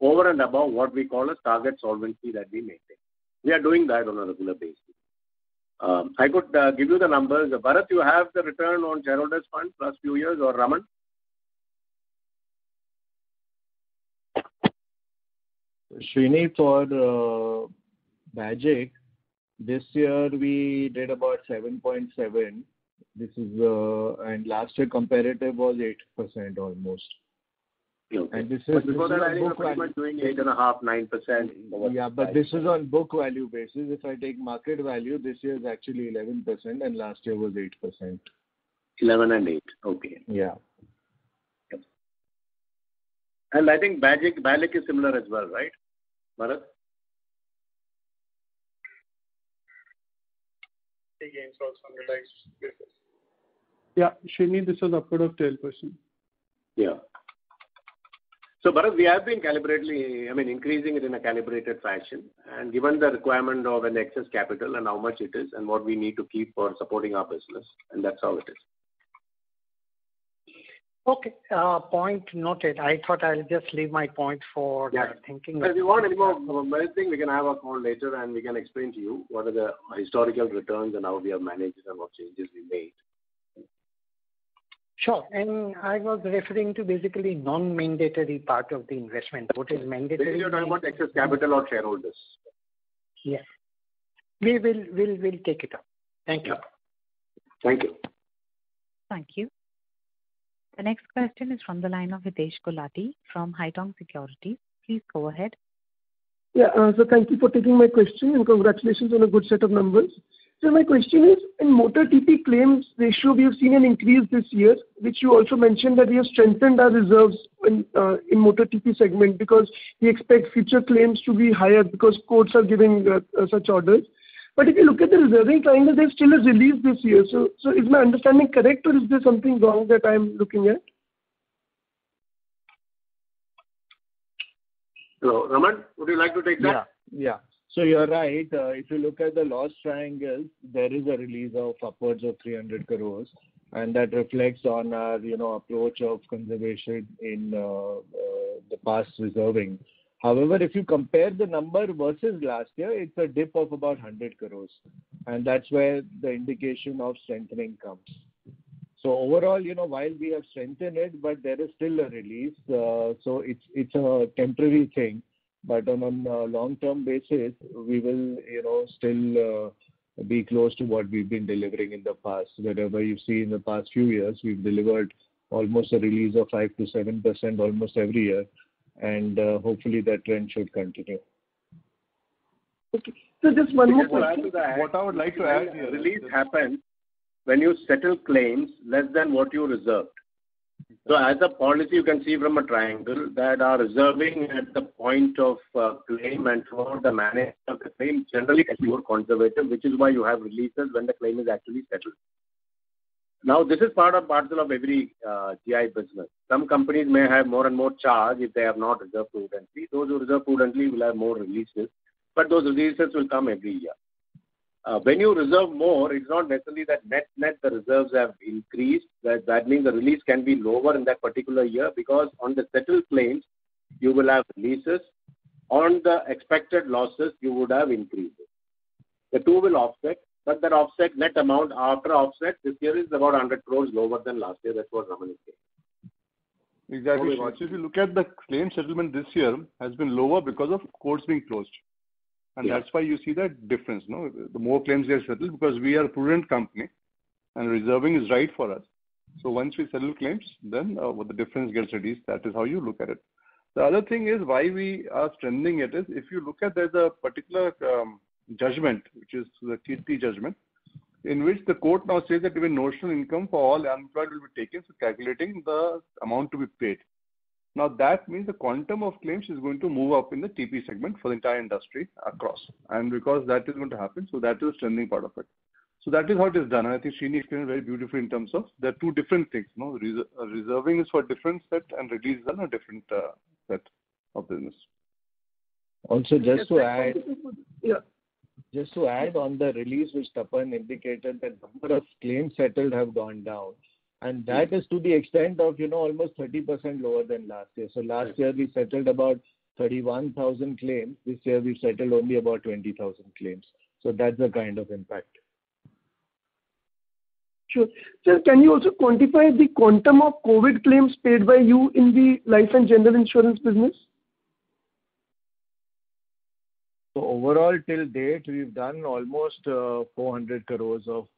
over and above what we call a target solvency that we maintain. We are doing that on a regular basis. I could give you the numbers. Bharat, you have the return on shareholders' funds last few years or Raman? Sreenivasan, for BAGIC, this year we did about seven point seven. Last year comparative was 8% almost. This is- Before that I think we were doing eight and a half, nine percent. Yeah, this is on book value basis. If I take market value, this year is actually 11% and last year was 8%. 11 and eight. Okay. Yeah. I think BALIC is similar as well, right, Bharat? I think it's also on the lines. Yeah. S. Sreenivasan, this was upwards of 10%. Yeah. Bharat, we have been increasing it in a calibrated fashion, and given the requirement of an excess capital and how much it is and what we need to keep for supporting our business, and that's all it is. Okay. Point noted. I thought I'll just leave my point for thinking. If you want any more of my thing, we can have a call later and we can explain to you what are the historical returns and how we have managed them, what changes we made. Sure. I was referring to basically non-mandatory part of the investment. What is mandatory- Basically, you're talking about excess capital or shareholders. Yes. We'll take it up. Thank you. Thank you. Thank you. The next question is from the line of Hitesh Kochhar from Haitong Securities. Please go ahead. Yeah, thank you for taking my question and congratulations on a good set of numbers. My question is, in motor TP claims ratio, we have seen an increase this year, which you also mentioned that we have strengthened our reserves in motor TP segment because we expect future claims to be higher because courts are giving such orders. If you look at the reserving triangle, there still is release this year. Is my understanding correct, or is there something wrong that I'm looking at? Hello, Raman, would you like to take that? Yeah. You're right. If you look at the loss triangles, there is a release of upwards of 300 crores, and that reflects on our approach of conservation in the past reserving. However, if you compare the number versus last year, it's a dip of about 100 crores, and that's where the indication of strengthening comes. Overall, while we have strengthened it, but there is still a release. It's a temporary thing. On a long-term basis, we will still be close to what we've been delivering in the past. Whatever you see in the past few years, we've delivered almost a release of five%-seven% almost every year, and hopefully that trend should continue. Okay. Just one more question- To add to that- What I would like to add here- Release happens when you settle claims less than what you reserved. As a policy, you can see from a triangle that our reserving at the point of claim and throughout the management of the claim generally is more conservative, which is why you have releases when the claim is actually settled. Now, this is part and parcel of every GI business. Some companies may have more and more charge if they have not reserved prudently. Those who reserve prudently will have more releases, but those releases will come every year. When you reserve more, it's not necessarily that net the reserves have increased. That means the release can be lower in that particular year, because on the settled claims, you will have releases. On the expected losses, you would have increases. The two will offset, but that offset net amount after offset this year is about 100 crores lower than last year. That's what Raman is saying. Exactly. If you look at the claim settlement this year, has been lower because of courts being closed. Yes. That's why you see that difference. The more claims get settled, because we are a prudent company and reserving is right for us. Once we settle claims, then the difference gets released. That is how you look at it. The other thing is why we are strengthening it is, if you look at, there's a particular judgment, which is the TP judgment, in which the court now says that even notional income for all the unemployed will be taken for calculating the amount to be paid. Now that means the quantum of claims is going to move up in the TP segment for the entire industry across. Because that is going to happen, that is the strengthening part of it. That is what is done. I think S. Sreenivasan explained it very beautifully in terms of there are two different things. Reserving is for a different set, and release is on a different set of business. just to add- Yeah. Just to add on the release, which Tapan indicated, the number of claims settled have gone down. That is to the extent of almost 30% lower than last year. Last year we settled about 31,000 claims. This year we've settled only about 20,000 claims. That's the kind of impact. Sure. Sir, can you also quantify the quantum of COVID claims paid by you in the life and general insurance business? Overall, till date, we've done almost 400 crores of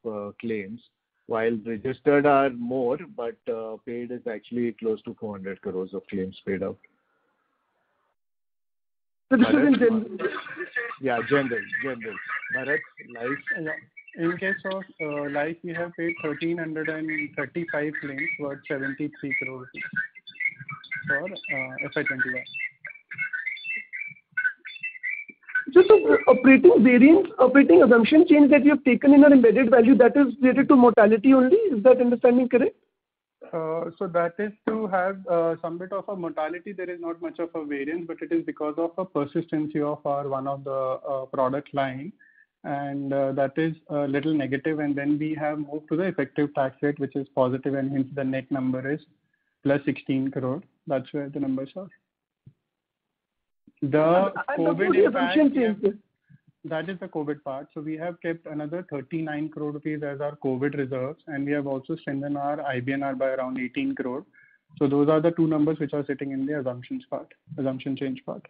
claims. While registered are more, but paid is actually close to 400 crores of claims paid out. This is in general insurance. Yeah, general. Bharat Life- In case of Life, we have paid 1,335 claims worth 73 crores rupees for FY 2021. Sir, operating variance, operating assumption change that you have taken in your embedded value that is related to mortality only, is that understanding correct? that is to have a somewhat of a mortality. There is not much of a variance, but it is because of a persistency of our one of the product line, and that is a little negative. then we have moved to the effective tax rate, which is positive, and hence the net number is plus 16 crore. That's where the numbers are. The COVID impact- the future assumption changes. That is the COVID part. We have kept another 39 crore rupees as our COVID reserves, and we have also strengthened our IBNR by around 18 crore. Those are the two numbers which are sitting in the assumptions part, assumption change part.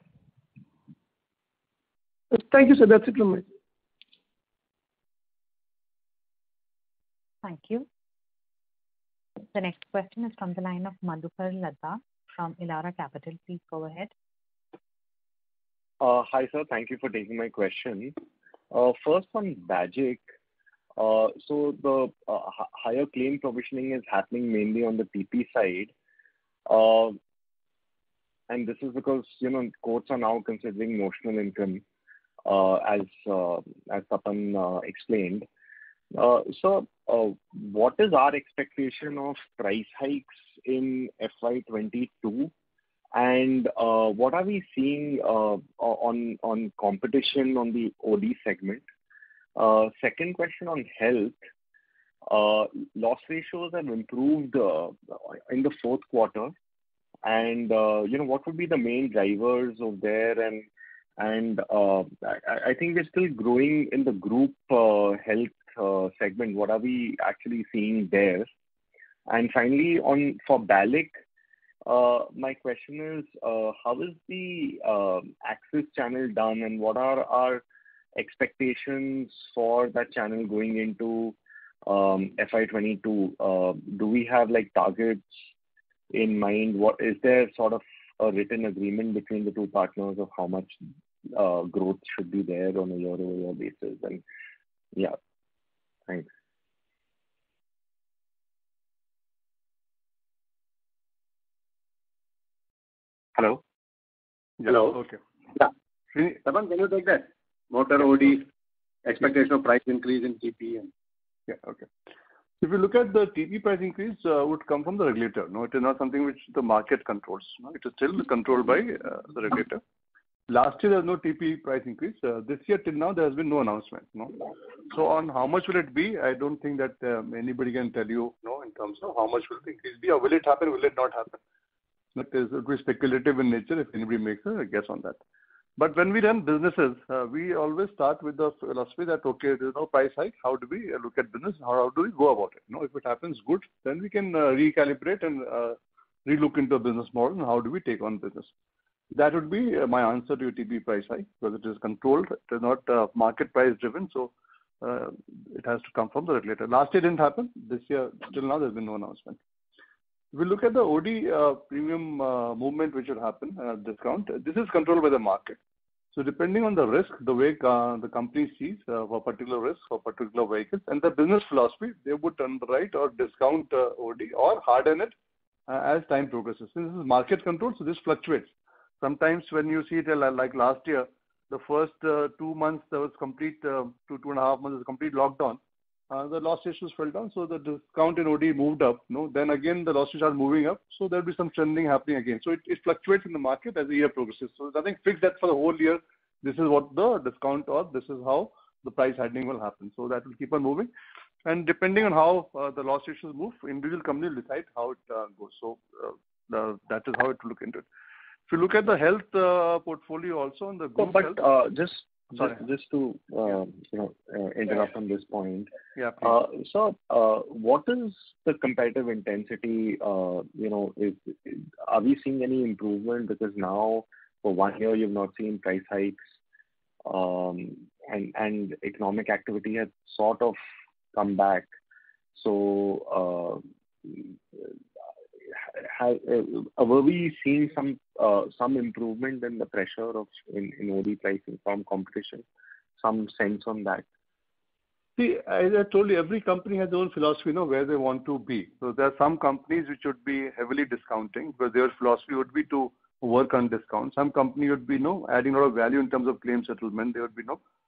Thank you, sir. That's it from me. Thank you. The next question is from the line of Madhukar Ladha from Elara Capital. Please go ahead. Hi, sir. Thank you for taking my question. First on BAGIC. The higher claim provisioning is happening mainly on the TP side. This is because courts are now considering notional income, as Tapan explained. Sir, what is our expectation of price hikes in FY 2022, and what are we seeing on competition on the OD segment? Second question on health. Loss ratios have improved in the fourth quarter. What would be the main drivers of there, and I think we're still growing in the group health segment. What are we actually seeing there? Finally, for BALIC, my question is, how is the Axis channel done, and what are our expectations for that channel going into FY 2022? Do we have targets in mind? Is there a written agreement between the two partners of how much growth should be there on a year-over-year basis? Yeah. Thanks. Hello? Hello. Okay. Yeah. S. Sreenivasan, Tapan Singhel, can you take that? Motor OD, expectation of price increase in TP. Yeah. Okay. If you look at the TP price increase, would come from the regulator. It is not something which the market controls. It is still controlled by the regulator. Last year, there was no TP price increase. This year till now, there has been no announcement. On how much will it be, I don't think that anybody can tell you in terms of how much will the increase be or will it happen, will it not happen. That is speculative in nature, if anybody makes a guess on that. When we run businesses, we always start with the philosophy that, okay, there's no price hike. How do we look at business? How do we go about it? If it happens, good, then we can recalibrate and re-look into the business model and how do we take on business. That would be my answer to your TP price hike, because it is controlled. It is not market price driven, so it has to come from the regulator. Last year it didn't happen. This year till now, there's been no announcement. If you look at the OD premium movement, which would happen, discount, this is controlled by the market. Depending on the risk, the way the company sees for a particular risk for particular vehicles, and the business philosophy, they would underwrite or discount OD or harden it as time progresses. This is market controlled, so this fluctuates. Sometimes when you see, like last year, the first two months, there was two and a half months was complete lockdown. The loss ratios fell down, so the discount in OD moved up. Again, the loss ratios are moving up, so there'll be some trending happening again. It fluctuates in the market as the year progresses. There's nothing fixed that for the whole year, this is what the discount or this is how the price hardening will happen. That will keep on moving. Depending on how the loss ratios move, individual company will decide how it goes. That is how to look into it. If you look at the health portfolio also on the group health- But just- Go ahead just to interrupt on this point. Yeah, please. Sir, what is the competitive intensity? Are we seeing any improvement? Because now for one year you've not seen price hikes, and economic activity has sort of come back. Were we seeing some improvement in the pressure in OD pricing from competition? Some sense on that. See, as I told you, every company has their own philosophy, where they want to be. There are some companies which would be heavily discounting because their philosophy would be to work on discounts. Some company would be adding a lot of value in terms of claims settlement. They would be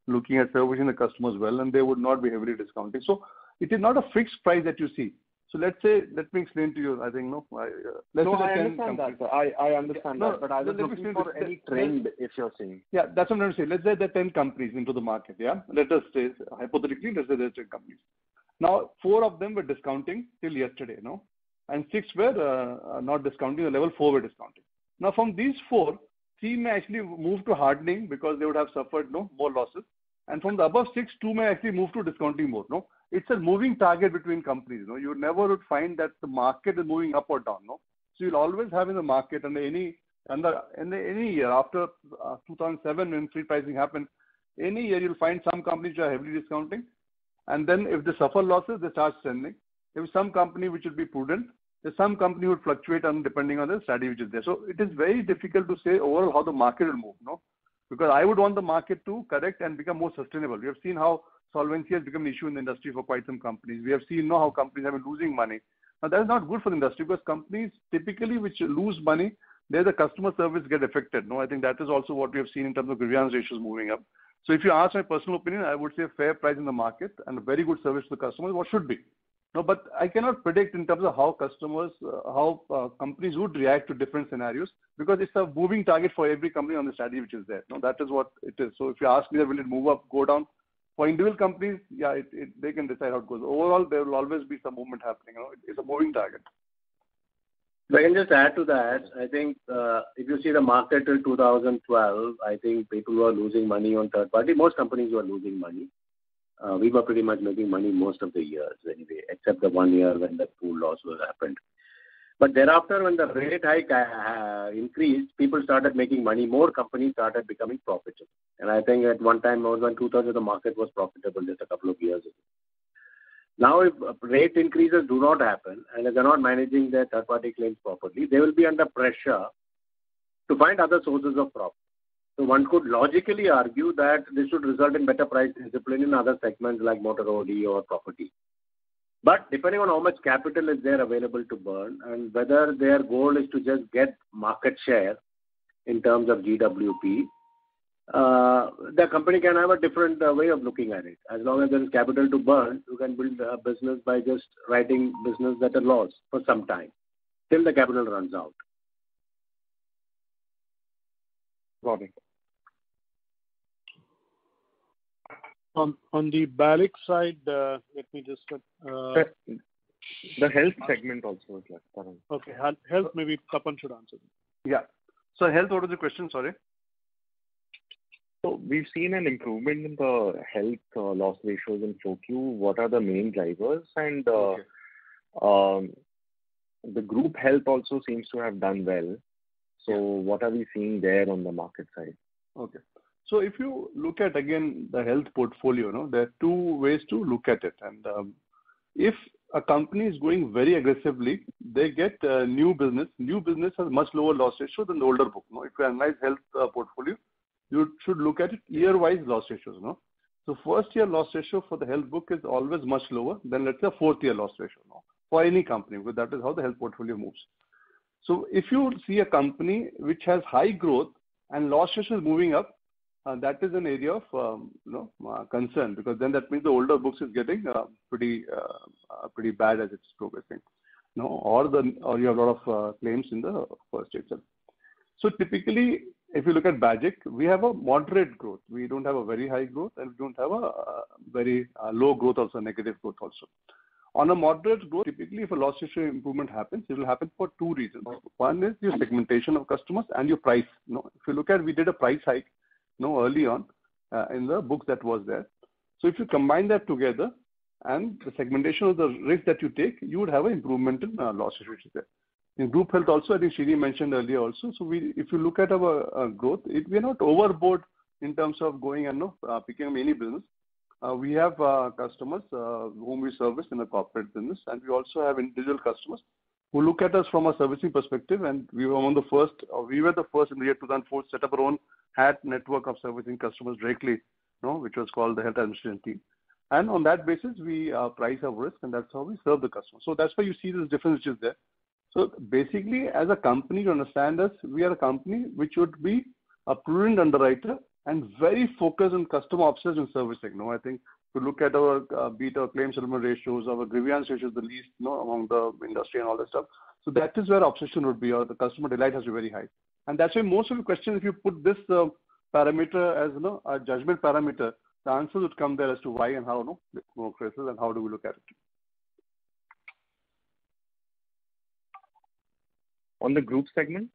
looking at servicing the customers well, and they would not be heavily discounting. It is not a fixed price that you see. Let me explain to you, I think. Let's say there are 10 companies- No, I understand that, sir. I understand that. No. I was just looking for any trend, if you're saying. Yeah, that's what I'm trying to say. Let's say there are 10 companies into the market, yeah. Let us say, hypothetically, let's say there's 10 companies. Four of them were discounting till yesterday. Six were not discounting, and only four were discounting. From these four, three may actually move to hardening because they would have suffered more losses. From the above six, two may actually move to discounting more. It's a moving target between companies. You would never find that the market is moving up or down. You'll always have in the market, in any year after 2007 when free pricing happened, any year you'll find some companies which are heavily discounting, and then if they suffer losses, they start trending. There's some company which would be prudent. There's some company who would fluctuate depending on the strategy which is there. It is very difficult to say overall how the market will move. I would want the market to correct and become more sustainable. We have seen how solvency has become an issue in the industry for quite some companies. We have seen how companies have been losing money. That is not good for the industry because companies, typically which lose money, there the customer service get affected. I think that is also what we have seen in terms of grievance ratios moving up. If you ask my personal opinion, I would say a fair price in the market and a very good service to the customer is what should be. I cannot predict in terms of how companies would react to different scenarios because it's a moving target for every company on the strategy which is there. That is what it is. If you ask me will it move up, go down? For individual companies, yeah, they can decide how it goes. Overall, there will always be some movement happening. It's a moving target. If I can just add to that, I think if you see the market till 2012, I think people were losing money on third party. Most companies were losing money. We were pretty much making money most of the years anyway, except the one year when the pool loss happened. Thereafter, when the rate increased, people started making money, more companies started becoming profitable. I think at one time, more than 2,000 of the market was profitable just a couple of years ago. Now, if rate increases do not happen and if they're not managing their third-party claims properly, they will be under pressure to find other sources of profit. One could logically argue that this should result in better price discipline in other segments like motor OD or property. Depending on how much capital is there available to burn and whether their goal is to just get market share in terms of GWP, the company can have a different way of looking at it. As long as there's capital to burn, you can build a business by just writing business at a loss for some time, till the capital runs out. Got it. On the BAGIC side. The health segment also is left out. Okay. Health, maybe Tapan should answer. Yeah. Sir, health, what was the question? Sorry. We've seen an improvement in the health loss ratios in 4Q. What are the main drivers? Okay The group health also seems to have done well. Yeah. What are we seeing there on the market side? Okay. If you look at, again, the health portfolio, there are two ways to look at it. If a company is growing very aggressively, they get new business. New business has much lower loss ratio than the older book. If you analyze health portfolio, you should look at it year-wise loss ratios. First year loss ratio for the health book is always much lower than, let's say, a fourth year loss ratio for any company, because that is how the health portfolio moves. If you see a company which has high growth and loss ratio is moving up, that is an area of concern, because then that means the older books is getting pretty bad as it's progressing. You have a lot of claims in the first year itself. Typically, if you look at BAGIC, we have a moderate growth. We don't have a very high growth, and we don't have a very low growth also, negative growth also. On a moderate growth, typically, if a loss ratio improvement happens, it will happen for two reasons. One is your segmentation of customers and your price. If you look at we did a price hike early on in the book that was there. If you combine that together and the segmentation of the risk that you take, you would have an improvement in loss ratio which is there. In group health also, I think Sri mentioned earlier also. If you look at our growth, we're not overboard in terms of going and picking up any business. We have customers whom we service in the corporate business, and we also have individual customers who look at us from a servicing perspective, and we were the first in the year 2004 to set up our own HAT network of servicing customers directly, which was called the Health Administration Team. On that basis, we price our risk, and that's how we serve the customer. That's why you see this difference which is there. Basically, as a company, to understand us, we are a company which would be a prudent underwriter and very focused on customer obsession servicing. I think if you look at our claim settlement ratios, our grievance ratio is the least among the industry and all that stuff. That is where our obsession would be. Our customer delight has to be very high. that's why most of the questions, if you put this as a judgment parameter, the answers would come there as to why and how no crisis and how do we look at it. On the group segment?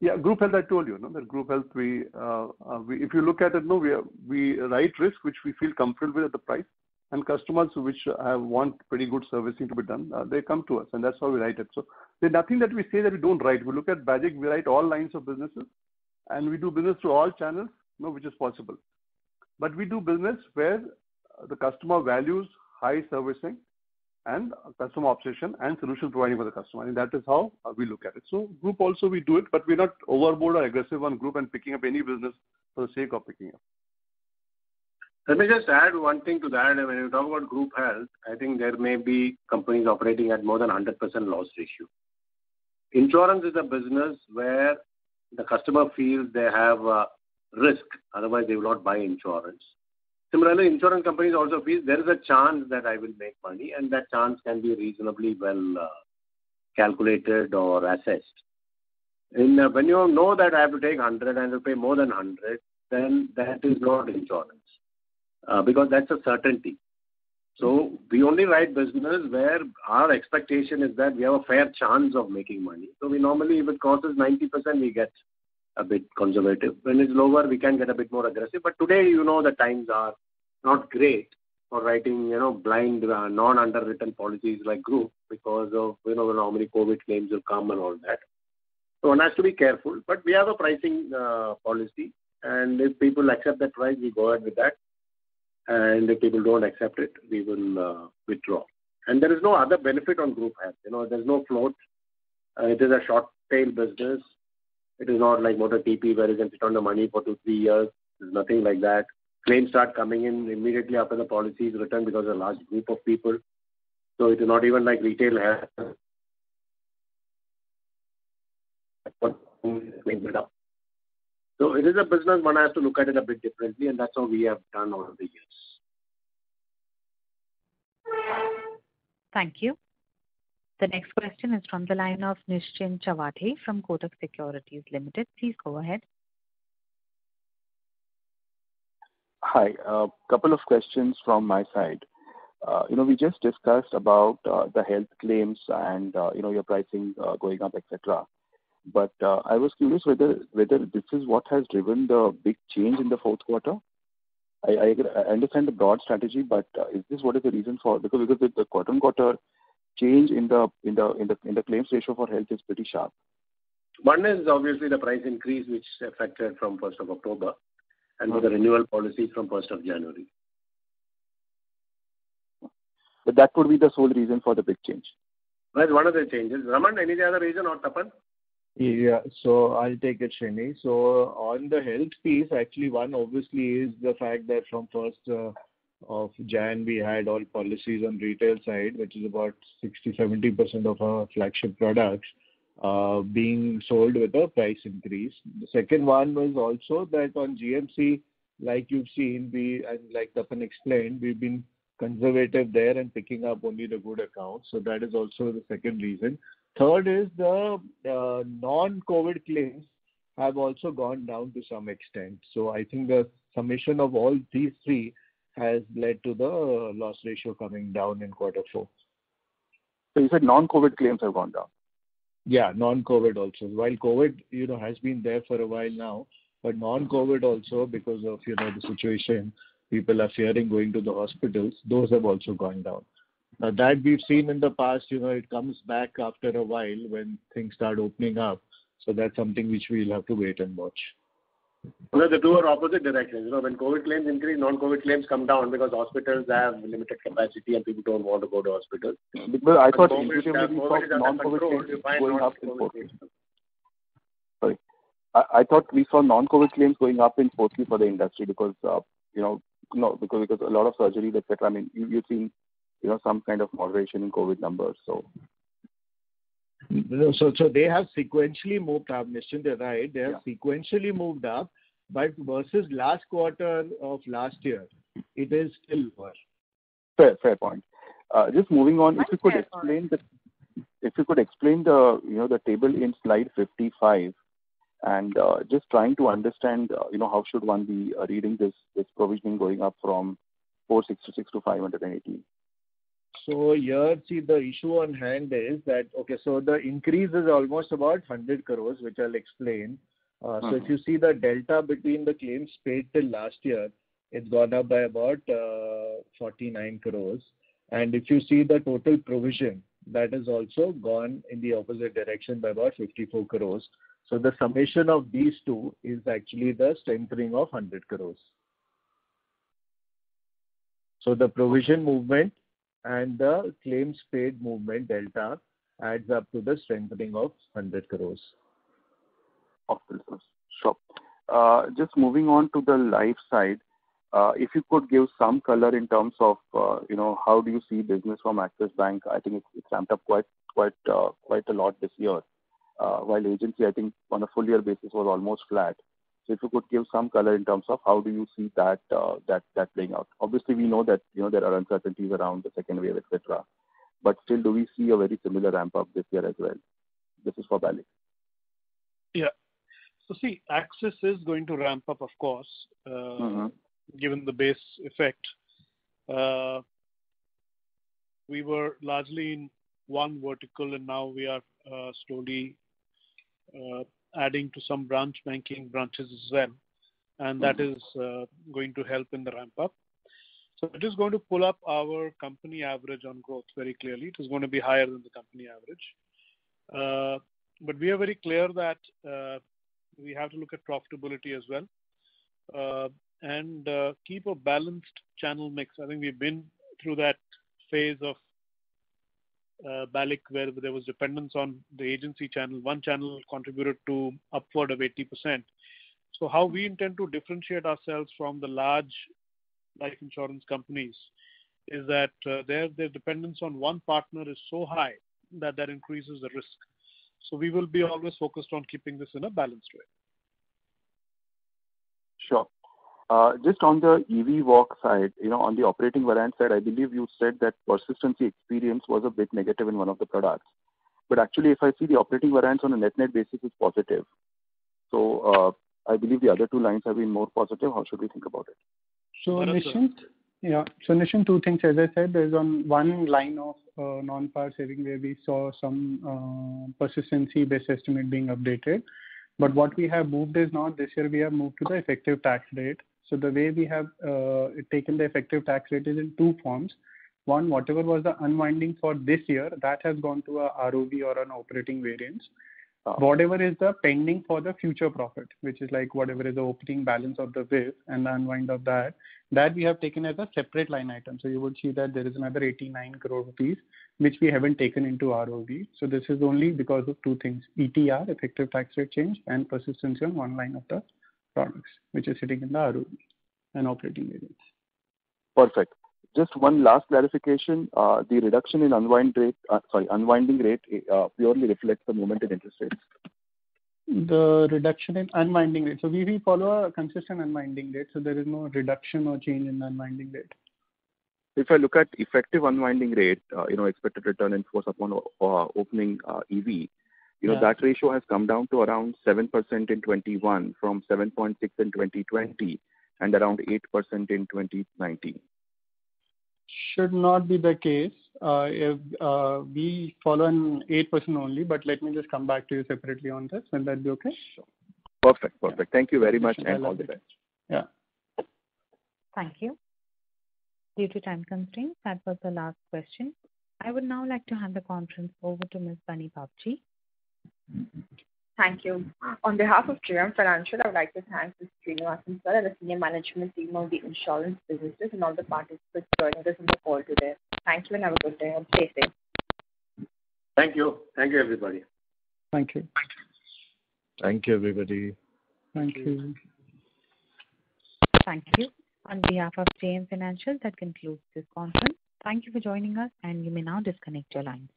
Yeah, group health, I told you. That group health, if you look at it, we write risks which we feel comfortable with at the price, and customers which want pretty good servicing to be done, they come to us, and that's how we write it. There's nothing that we say that we don't write. We look at BAGIC, we write all lines of businesses, and we do business through all channels which is possible. We do business where the customer values high servicing and customer obsession and solution providing for the customer. That is how we look at it. Group also we do it, but we're not overboard or aggressive on group and picking up any business for the sake of picking up. Let me just add one thing to that. When you talk about group health, I think there may be companies operating at more than 100% loss ratio. Insurance is a business where the customer feels they have a risk, otherwise they will not buy insurance. Similarly, insurance companies also feel there is a chance that I will make money, and that chance can be reasonably well calculated or assessed. When you know that I have to take 100 and you pay more than 100, then that is not insurance, because that's a certainty. We only write business where our expectation is that we have a fair chance of making money. We normally, if it crosses 90%, we get a bit conservative. When it's lower, we can get a bit more aggressive. Today, the times are not great for writing blind, non-underwritten policies like group because of how many COVID claims will come and all that. One has to be careful. We have a pricing policy, and if people accept that price, we go ahead with that. If people don't accept it, we will withdraw. There is no other benefit on group health. There's no float. It is a short-tail business. It is not like motor TP, where you can sit on the money for two, three years. There's nothing like that. Claims start coming in immediately after the policy is written because a large group of people, so it is not even like retail health. It is a business one has to look at it a bit differently, and that's how we have done over the years. Thank you. The next question is from the line of Nischint Chawathe from Kotak Securities Limited. Please go ahead. Hi. A couple of questions from my side. We just discussed about the health claims and your pricing going up, et cetera. I was curious whether this is what has driven the big change in the fourth quarter. I understand the broad strategy, but is this what is the reason for the current quarter change in the claims ratio for health is pretty sharp. One is obviously the price increase, which effective from 1st of October and with the renewal policy from 1st of January. That could be the sole reason for the big change. That's one of the changes. Raman, any other reason, or Tapan? Yeah. I'll take it, S. Sreenivasan. On the health piece, actually, one obviously is the fact that from 1st of January, we had all policies on retail side, which is about 60, 70% of our flagship products being sold with a price increase. The second one was also that on GMC, like you've seen and like Tapan explained, we've been conservative there and picking up only the good accounts. That is also the second reason. Third is the non-COVID claims have also gone down to some extent. I think the summation of all these three has led to the loss ratio coming down in Q4. You said non-COVID claims have gone down? Yeah, non-COVID also. While COVID has been there for a while now, but non-COVID also because of the situation, people are fearing going to the hospitals, those have also gone down. Now that we've seen in the past, it comes back after a while when things start opening up. That's something which we'll have to wait and watch. No, the two are opposite directions. When COVID claims increase, non-COVID claims come down because hospitals have limited capacity and people don't want to go to hospitals. I thought we saw non-COVID claims going up in Q4. Sorry. I thought we saw non-COVID claims going up in Q4 for the industry because a lot of surgeries, et cetera, you're seeing some kind of moderation in COVID numbers. They have sequentially moved up, Nischint they're right. Yeah. They have sequentially moved up, but versus last quarter of last year, it is still worse. Fair point. Just moving on- My fair point If you could explain the table in slide 55, and just trying to understand how should one be reading this provision going up from 466 to 518? Here, see, the issue on hand is that. Okay, the increase is almost about 100 crores, which I'll explain. If you see the delta between the claims paid till last year, it's gone up by about 49 crores. If you see the total provision, that has also gone in the opposite direction by about 54 crores. The summation of these two is actually the strengthening of 100 crores. The provision movement and the claims paid movement delta adds up to the strengthening of 100 crores. Sure. Just moving on to the life side. If you could give some color in terms of how do you see business from Axis Bank. I think it's ramped up quite a lot this year, while agency, I think, on a full year basis was almost flat. If you could give some color in terms of how do you see that playing out. Obviously, we know that there are uncertainties around the second wave, et cetera. Still, do we see a very similar ramp up this year as well? This is for BALIC. Yeah. see, Axis is going to ramp up, of course- Given the base effect. We were largely in one vertical, and now we are slowly adding to some branch banking branches as well, and that is going to help in the ramp up. It is going to pull up our company average on growth very clearly. It is going to be higher than the company average. We are very clear that we have to look at profitability as well and keep a balanced channel mix. I think we've been through that phase of BALIC where there was dependence on the agency channel. One channel contributed to upward of 80%. How we intend to differentiate ourselves from the large life insurance companies is that their dependence on one partner is so high that that increases the risk. We will be always focused on keeping this in a balanced way. Sure. Just on the EV work side, on the operating variance side, I believe you said that persistency experience was a bit negative in one of the products. actually, if I see the operating variance on a net-net basis, it's positive. I believe the other two lines have been more positive. How should we think about it? Nischint, two things. As I said, there's one line of non-par saving where we saw some persistency base estimate being updated. What we have moved is now this year we have moved to the effective tax rate. The way we have taken the effective tax rate is in two forms. One, whatever was the unwinding for this year, that has gone to a ROV or an operating variance. Okay. Whatever is the pending for the future profit, which is like whatever is the opening balance of the VIF and unwind of that we have taken as a separate line item. You would see that there is another 89 crores rupees, which we haven't taken into ROV. This is only because of two things, ETR, effective tax rate change, and persistency on one line of the products, which is sitting in the ROV and operating variance. Perfect. Just one last clarification. The reduction in unwind rate, sorry, unwinding rate purely reflects the movement in interest rates. The reduction in unwinding rate. We follow a consistent unwinding rate. There is no reduction or change in unwinding rate. If I look at effective unwinding rate, expected return in force upon opening EV Yeah that ratio has come down to around 7% in 2021 from 7.6% in 2020 and around 8% in 2019. Should not be the case. We follow an 8% only, but let me just come back to you separately on this. Will that be okay? Sure. Perfect. Thank you very much and all the best. Yeah. Thank you. Due to time constraint, that was the last question. I would now like to hand the conference over to Ms. Bunny Babjee. Thank you. On behalf of JM Financial, I would like to thank Mr. S. Sreenivasan, sir, and the senior management team of the insurance businesses and all the participants joining us on the call today. Thank you and have a good day and stay safe. Thank you. Thank you, everybody. Thank you. Thank you, everybody. Thank you. Thank you. On behalf of JM Financial, that concludes this conference. Thank you for joining us, and you may now disconnect your lines.